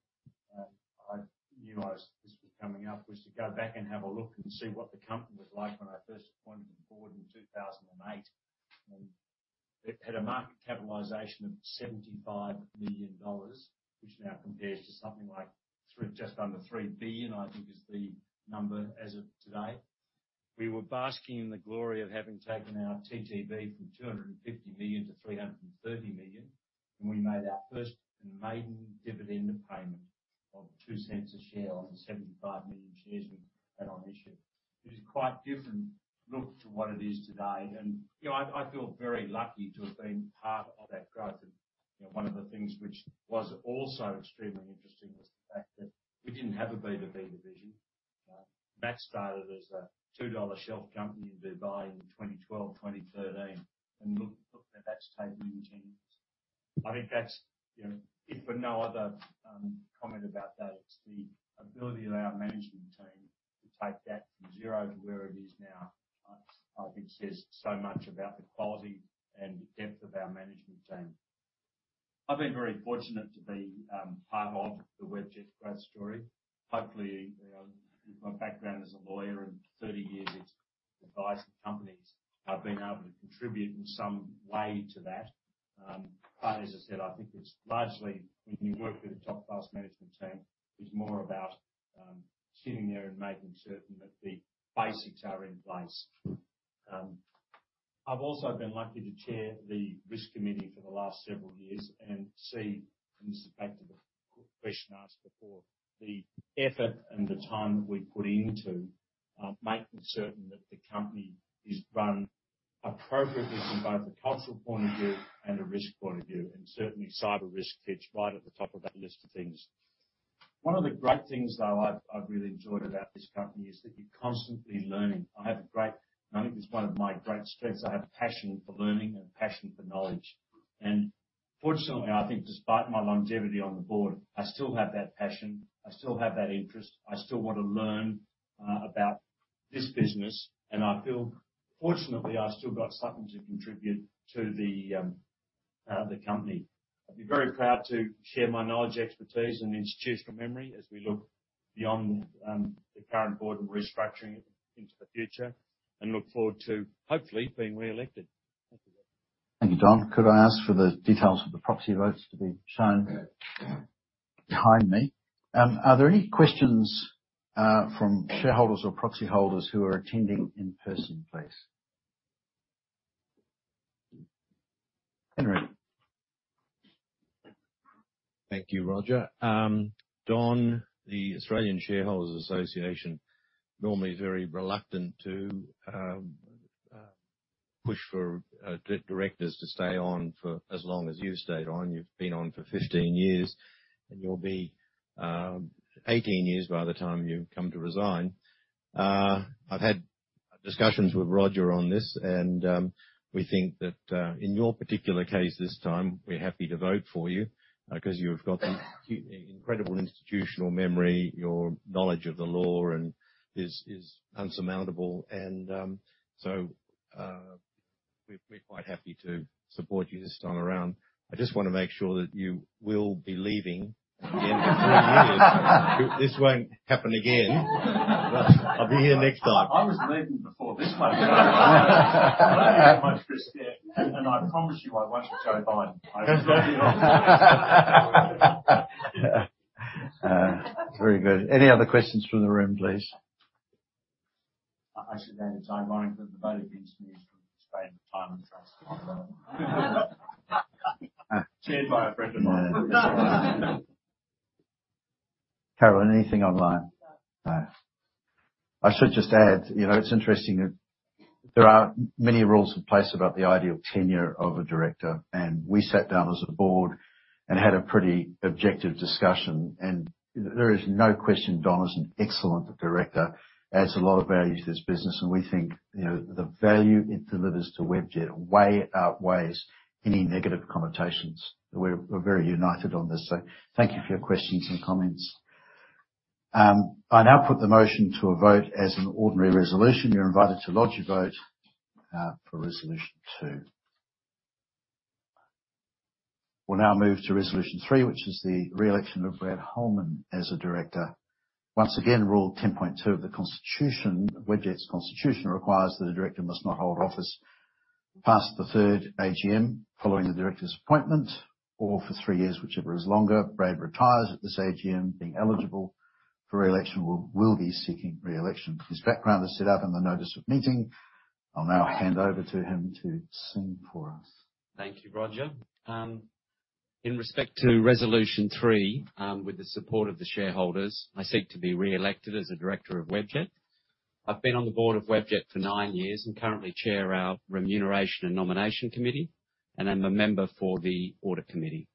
I knew this was coming up, was to go back and have a look and see what the company was like when I first appointed to the board in 2008. It had a market capitalization of 75 million dollars, which now compares to something like just under 3 billion, I think, is the number as of today. We were basking in the glory of having taken our TTV from 250 million to 330 million, and we made our first and maiden dividend payment of 0.02 per share on the 75 million shares we had on issue. It is quite different look to what it is today. You know, I feel very lucky to have been part of that growth. You know, one of the things which was also extremely interesting was the fact that we didn't have a B2B division. That started as a $2 shelf company in Dubai in 2012, 2013. Look, look where that's taken us. I think that's, you know, if for no other comment about that, it's the ability of our management team to take that from zero to where it is now. I think it says so much about the quality and depth of our management team. I've been very fortunate to be part of the Webjet growth story. Hopefully, you know, my background as a lawyer and 30 years advising companies, I've been able to contribute in some way to that. But as I said, I think it's largely when you work with a top-class management team, it's more about sitting there and making certain that the basics are in place. I've also been lucky to chair the risk committee for the last several years and see, and this is back to the question asked before, the effort and the time that we put into making certain that the company is run appropriately from both a cultural point of view and a risk point of view, and certainly cyber risk sits right at the top of that list of things. One of the great things, though, I've really enjoyed about this company is that you're constantly learning. I have a great... And I think it's one of my great strengths. I have a passion for learning and a passion for knowledge, and fortunately, I think despite my longevity on the board, I still have that passion, I still have that interest, I still want to learn about this business, and I feel fortunately, I've still got something to contribute to the company. I'd be very proud to share my knowledge, expertise, and institutional memory as we look beyond the current board and restructuring into the future, and look forward to, hopefully, being re-elected. Thank you. Thank you, Don. Could I ask for the details of the proxy votes to be shown behind me? Are there any questions from shareholders or proxy holders who are attending in person, please? Henry. Thank you, Roger. Don, the Australian Shareholders Association, normally very reluctant to push for directors to stay on for as long as you've stayed on. You've been on for 15 years, and you'll be 18 years by the time you come to resign. I've had discussions with Roger on this, and we think that in your particular case, this time, we're happy to vote for you because you've got the incredible institutional memory, your knowledge of the law and is insurmountable. And so we're quite happy to support you this time around. I just want to make sure that you will be leaving in 3 years. This won't happen again. I'll be here next time. I was leaving before this time. Thank you very much, Chris. Yeah, and I promise you, I won't go by. Very good. Any other questions from the room, please? Actually, it's ironic that the vote against me is from Australian Retirement Trust. Chaired by a friend of mine. Carolyn, anything online? No. No. I should just add, you know, it's interesting that there are many rules in place about the ideal tenure of a director, and we sat down as a board and had a pretty objective discussion. There is no question Don is an excellent director, adds a lot of value to this business, and we think, you know, the value it delivers to Webjet way outweighs any negative connotations. We're very united on this, so thank you for your questions and comments. I now put the motion to a vote as an ordinary resolution. You're invited to lodge a vote for resolution two. We'll now move to resolution three, which is the re-election of Brad Holman as a director. Once again, rule 10.2 of the Constitution, Webjet's constitution, requires that a director must not hold office past the third AGM following the director's appointment, or for three years, whichever is longer. Brad retires at this AGM, being eligible for re-election, will be seeking re-election. His background is set out in the notice of meeting. I'll now hand over to him to speak for us. Thank you, Roger. In respect to Resolution 3, with the support of the shareholders, I seek to be re-elected as a director of Webjet. I've been on the board of Webjet for nine years and currently chair our Remuneration and Nomination Committee, and I'm a member for the Audit Committee.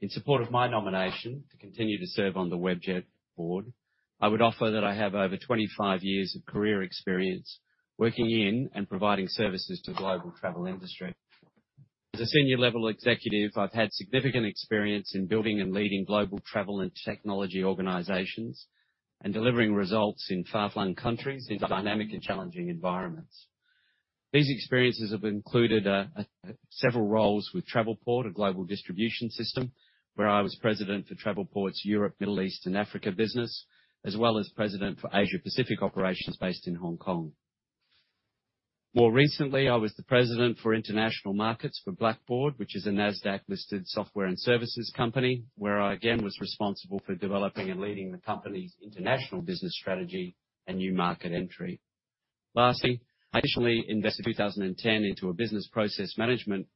In support of my nomination to continue to serve on the Webjet board, I would offer that I have over 25 years of career experience working in and providing services to the global travel industry. As a senior level executive, I've had significant experience in building and leading global travel and technology organizations, and delivering results in far-flung countries in dynamic and challenging environments. These experiences have included several roles with Travelport, a global distribution system, where I was president for Travelport's Europe, Middle East, and Africa business, as well as president for Asia Pacific Operations based in Hong Kong. More recently, I was the president for International Markets for Blackboard, which is a NASDAQ-listed software and services company, where I again was responsible for developing and leading the company's international business strategy and new market entry. Lastly, I initially invested in 2010 into a business process management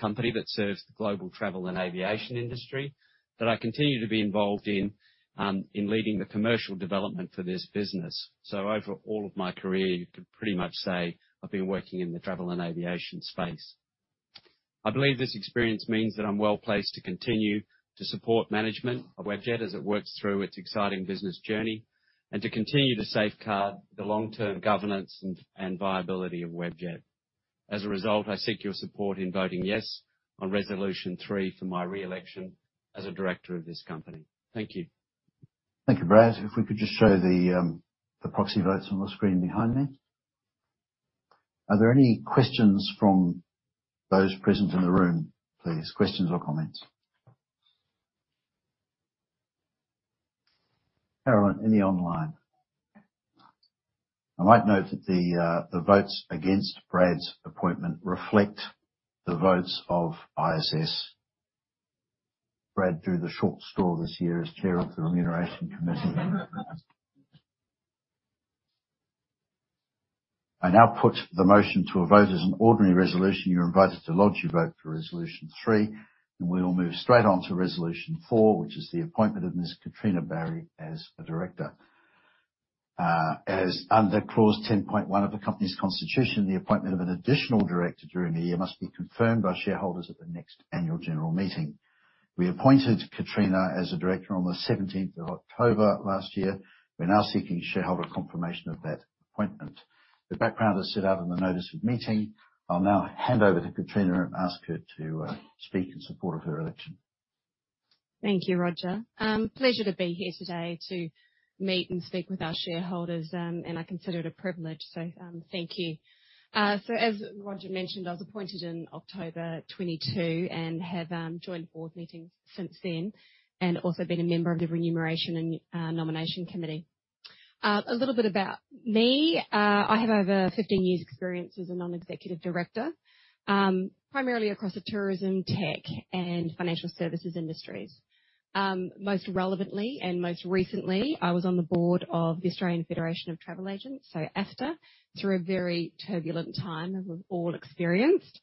company that serves the global travel and aviation industry, that I continue to be involved in, in leading the commercial development for this business. So overall of my career, you could pretty much say I've been working in the travel and aviation space. I believe this experience means that I'm well-placed to continue to support management of Webjet as it works through its exciting business journey, and to continue to safeguard the long-term governance and viability of Webjet. As a result, I seek your support in voting "Yes" on Resolution 3 for my re-election as a director of this company. Thank you. Thank you, Brad. If we could just show the proxy votes on the screen behind me. Are there any questions from those present in the room, please? Questions or comments. Caroline, any online? I might note that the votes against Brad's appointment reflect the votes of ISS. Brad drew the short straw this year as Chair of the Remuneration Committee. I now put the motion to a vote as an ordinary resolution. You're invited to lodge your vote for resolution three, and we will move straight on to resolution four, which is the appointment of Ms. Katrina Barry as a director. As under clause 10.1 of the company's constitution, the appointment of an additional director during the year must be confirmed by shareholders at the next annual general meeting. We appointed Katrina as a director on the seventeenth of October last year. We're now seeking shareholder confirmation of that appointment. The background is set out in the notice of meeting. I'll now hand over to Katrina and ask her to speak in support of her election. Thank you, Roger. Pleasure to be here today to meet and speak with our shareholders, and I consider it a privilege, so, thank you. So as Roger mentioned, I was appointed in October 2022 and have joined board meetings since then, and also been a member of the Remuneration and Nomination Committee. A little bit about me. I have over 15 years experience as a non-executive director, primarily across the tourism, tech, and financial services industries. Most relevantly and most recently, I was on the board of the Australian Federation of Travel Agents, so AFTA, through a very turbulent time, as we've all experienced.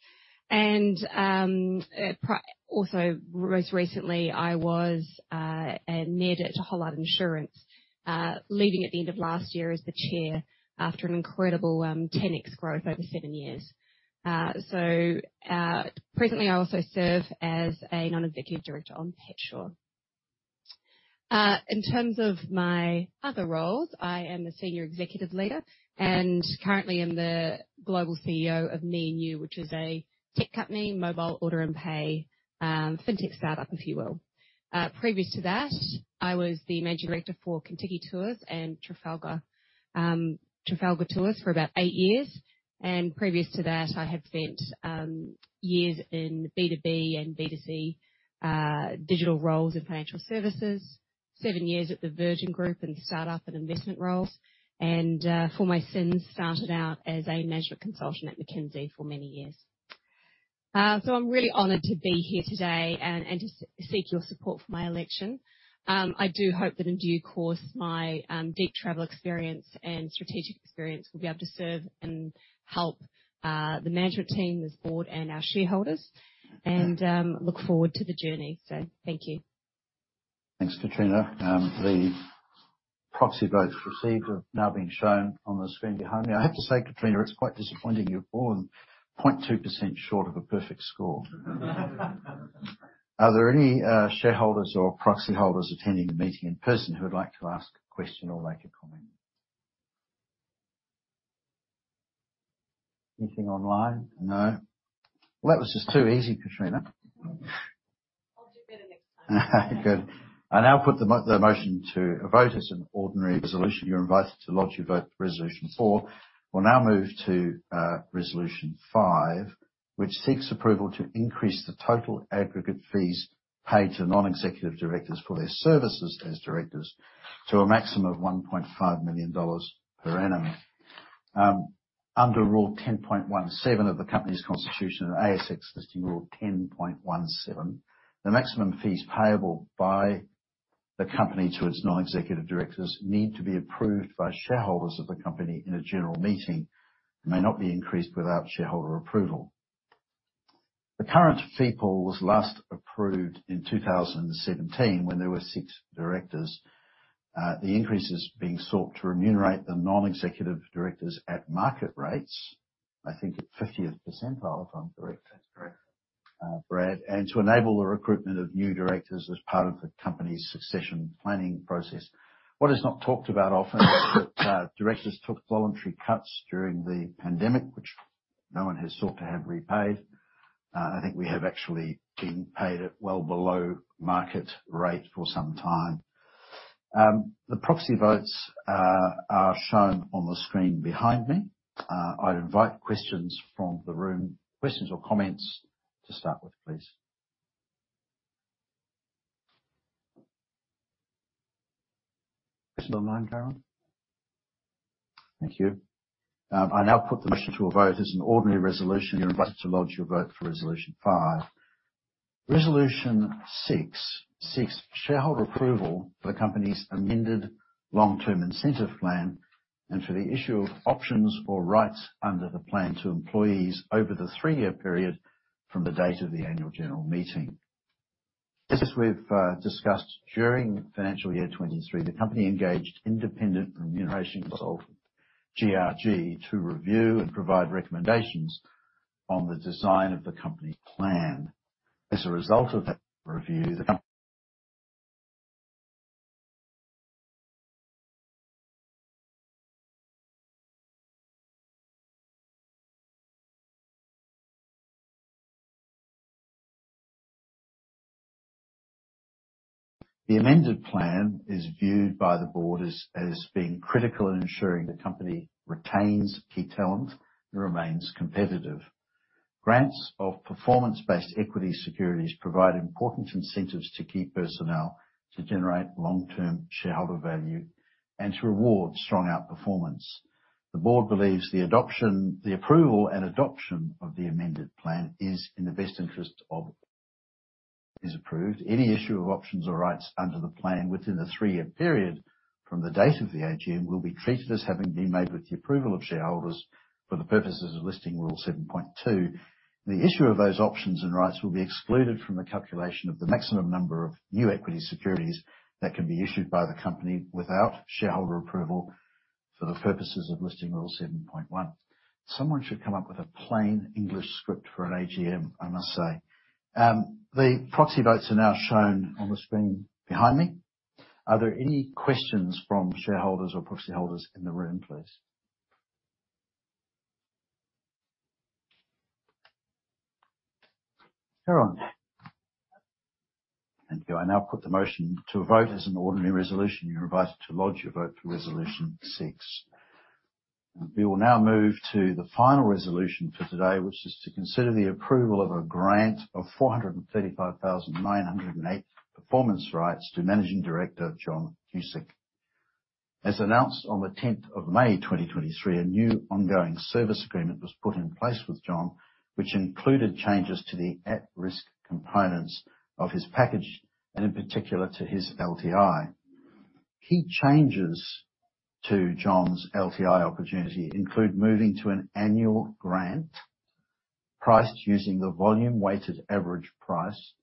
Also, most recently, I was a NED at Hollard Insurance, leaving at the end of last year as Chair after an incredible 10x growth over seven years. So, presently, I also serve as a non-executive director on PetSure. In terms of my other roles, I am a senior executive leader and currently am the Global CEO of me&u, which is a tech company, mobile order and pay, fintech startup, if you will. Previous to that, I was the managing director for Contiki Tours and Trafalgar Tours for about eight years, and previous to that, I had spent years in B2B and B2C digital roles in financial services, seven years at the Virgin Group in startup and investment roles, and, for my sins, started out as a management consultant at McKinsey for many years. So I'm really honored to be here today and to seek your support for my election. I do hope that in due course, my deep travel experience and strategic experience will be able to serve and help the management team, this board, and our shareholders, and look forward to the journey. So thank you. Thanks, Katrina. The proxy votes received have now been shown on the screen behind me. I have to say, Katrina, it's quite disappointing you've fallen 0.2% short of a perfect score. Are there any, shareholders or proxy holders attending the meeting in person who would like to ask a question or make a comment? Anything online? No. Well, that was just too easy, Katrina. I'll do better next time. Good. I now put the motion to a vote as an ordinary resolution. You're invited to lodge your vote for resolution 4. We'll now move to resolution 5, which seeks approval to increase the total aggregate fees paid to non-executive directors for their services as directors to a maximum of 1.5 million dollars per annum. Under rule 10.17 of the company's constitution, and ASX listing rule 10.17, the maximum fees payable by the company to its non-executive directors need to be approved by shareholders of the company in a general meeting and may not be increased without shareholder approval. The current fee pool was last approved in 2017, when there were 6 directors. The increase is being sought to remunerate the non-executive directors at market rates, I think at 50th percentile, if I'm correct? That's correct. Brad, and to enable the recruitment of new directors as part of the company's succession planning process. What is not talked about often is that directors took voluntary cuts during the pandemic, which no one has sought to have repaid. I think we have actually been paid at well below market rate for some time. The proxy votes are shown on the screen behind me. I'd invite questions from the room. Questions or comments to start with, please. Questions online, Carolyn? Thank you. I now put the motion to a vote as an ordinary resolution. You're invited to lodge your vote for Resolution Five. Resolution Six seeks shareholder approval for the company's amended long-term incentive plan and for the issue of options or rights under the plan to employees over the three-year period from the date of the annual general meeting. As we've discussed during financial year 2023, the company engaged independent remuneration consultant, GRG, to review and provide recommendations on the design of the company plan. As a result of that review, the amended plan is viewed by the board as being critical in ensuring the company retains key talent and remains competitive. Grants of performance-based equity securities provide important incentives to key personnel to generate long-term shareholder value and to reward strong outperformance. The board believes the approval and adoption of the amended plan is in the best interest of shareholders. Is approved. Any issue of options or rights under the plan within the three-year period from the date of the AGM will be treated as having been made with the approval of shareholders for the purposes of Listing Rule 7.2. The issue of those options and rights will be excluded from the calculation of the maximum number of new equity securities that can be issued by the company without shareholder approval for the purposes of Listing Rule 7.1. Someone should come up with a plain English script for an AGM, I must say. The proxy votes are now shown on the screen behind me. Are there any questions from shareholders or proxy holders in the room, please? Carry on. Thank you. I now put the motion to a vote as an ordinary resolution. You're invited to lodge your vote for Resolution Six. We will now move to the final resolution for today, which is to consider the approval of a grant of 435,908 performance rights to Managing Director, John Guscic. As announced on the 10th of May 2023, a new ongoing service agreement was put in place with John, which included changes to the at-risk components of his package and, in particular, to his LTI. Key changes to John's LTI opportunity include moving to an annual grant priced using the volume-weighted average price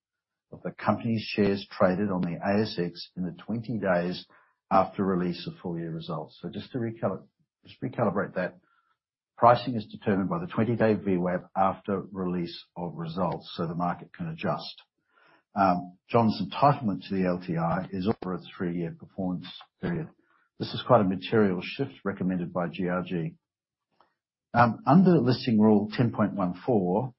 of the company's shares traded on the ASX in the 20 days after release of full year results. So just recalibrate that, pricing is determined by the 20-day VWAP after release of results, so the market can adjust. John's entitlement to the LTI is over a three-year performance period. This is quite a material shift recommended by GRG. Under Listing Rule 10.14,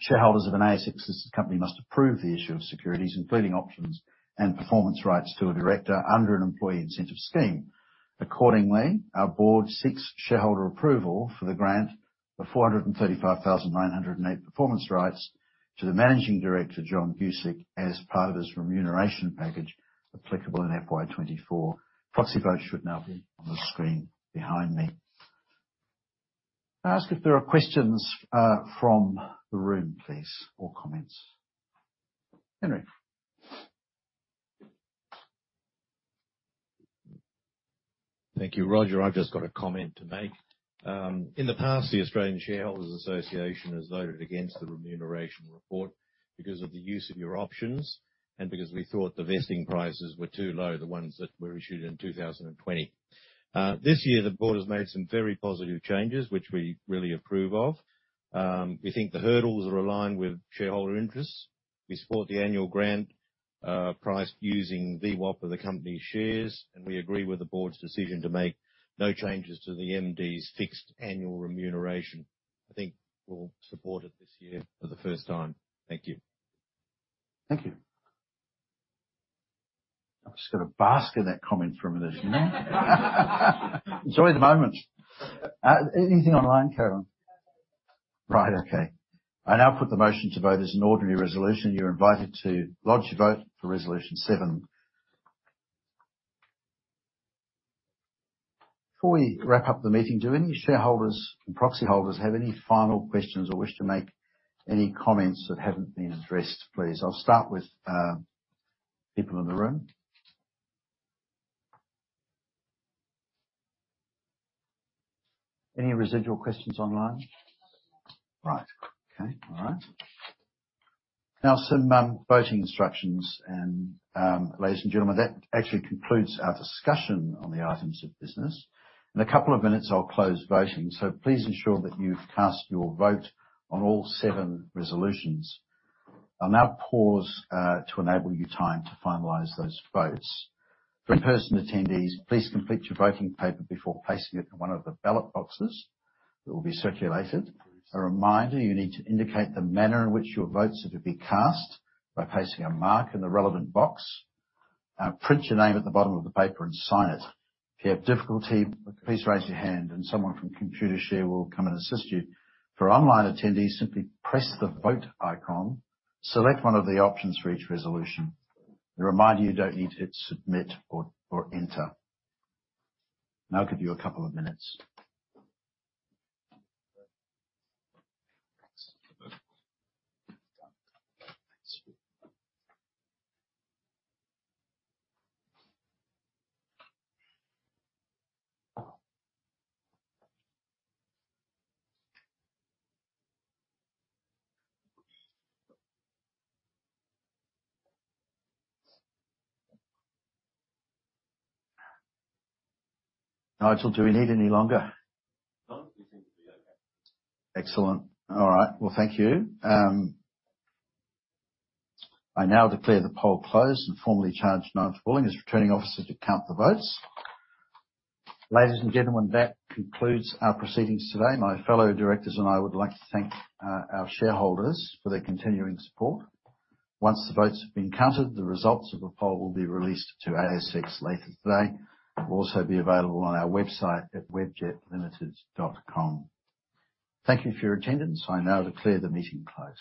shareholders of an ASX company must approve the issue of securities, including options and performance rights to a director under an employee incentive scheme. Accordingly, our board seeks shareholder approval for the grant of 435,908 performance rights to the managing director, John Guscic, as part of his remuneration package applicable in FY 2024. Proxy votes should now be on the screen behind me. May I ask if there are questions, from the room, please, or comments? Henry. Thank you, Roger. I've just got a comment to make. In the past, the Australian Shareholders Association has voted against the remuneration report because of the use of your options and because we thought the vesting prices were too low, the ones that were issued in 2020. This year, the board has made some very positive changes, which we really approve of. We think the hurdles are aligned with shareholder interests. We support the annual grant, priced using the VWAP of the company's shares, and we agree with the board's decision to make no changes to the MD's fixed annual remuneration. I think we'll support it this year for the first time. Thank you. Thank you. I've just got to bask in that comment for a minute, you know? Enjoy the moment. Anything online, Carolyn? Right. Okay. I now put the motion to vote as an ordinary resolution. You're invited to lodge your vote for Resolution Seven... Before we wrap up the meeting, do any shareholders and proxy holders have any final questions or wish to make any comments that haven't been addressed, please? I'll start with people in the room. Any residual questions online? Right. Okay. All right. Now, some voting instructions. Ladies and gentlemen, that actually concludes our discussion on the items of business. In a couple of minutes, I'll close voting, so please ensure that you've cast your vote on all seven resolutions. I'll now pause to enable you time to finalize those votes. For in-person attendees, please complete your voting paper before placing it in one of the ballot boxes that will be circulated. A reminder, you need to indicate the manner in which your votes are to be cast by placing a mark in the relevant box. Print your name at the bottom of the paper and sign it. If you have difficulty, please raise your hand, and someone from Computershare will come and assist you. For online attendees, simply press the Vote icon. Select one of the options for each resolution. A reminder, you don't need to hit Submit or, or Enter. Now, I'll give you a couple of minutes. Nigel, do we need any longer? No, we seem to be okay. Excellent. All right. Well, thank you. I now declare the poll closed and formally charge Nigel Bolling as Returning Officer to count the votes. Ladies and gentlemen, that concludes our proceedings today. My fellow directors and I would like to thank our shareholders for their continuing support. Once the votes have been counted, the results of the poll will be released to ASX later today, will also be available on our website at webjetlimited.com. Thank you for your attendance. I now declare the meeting closed.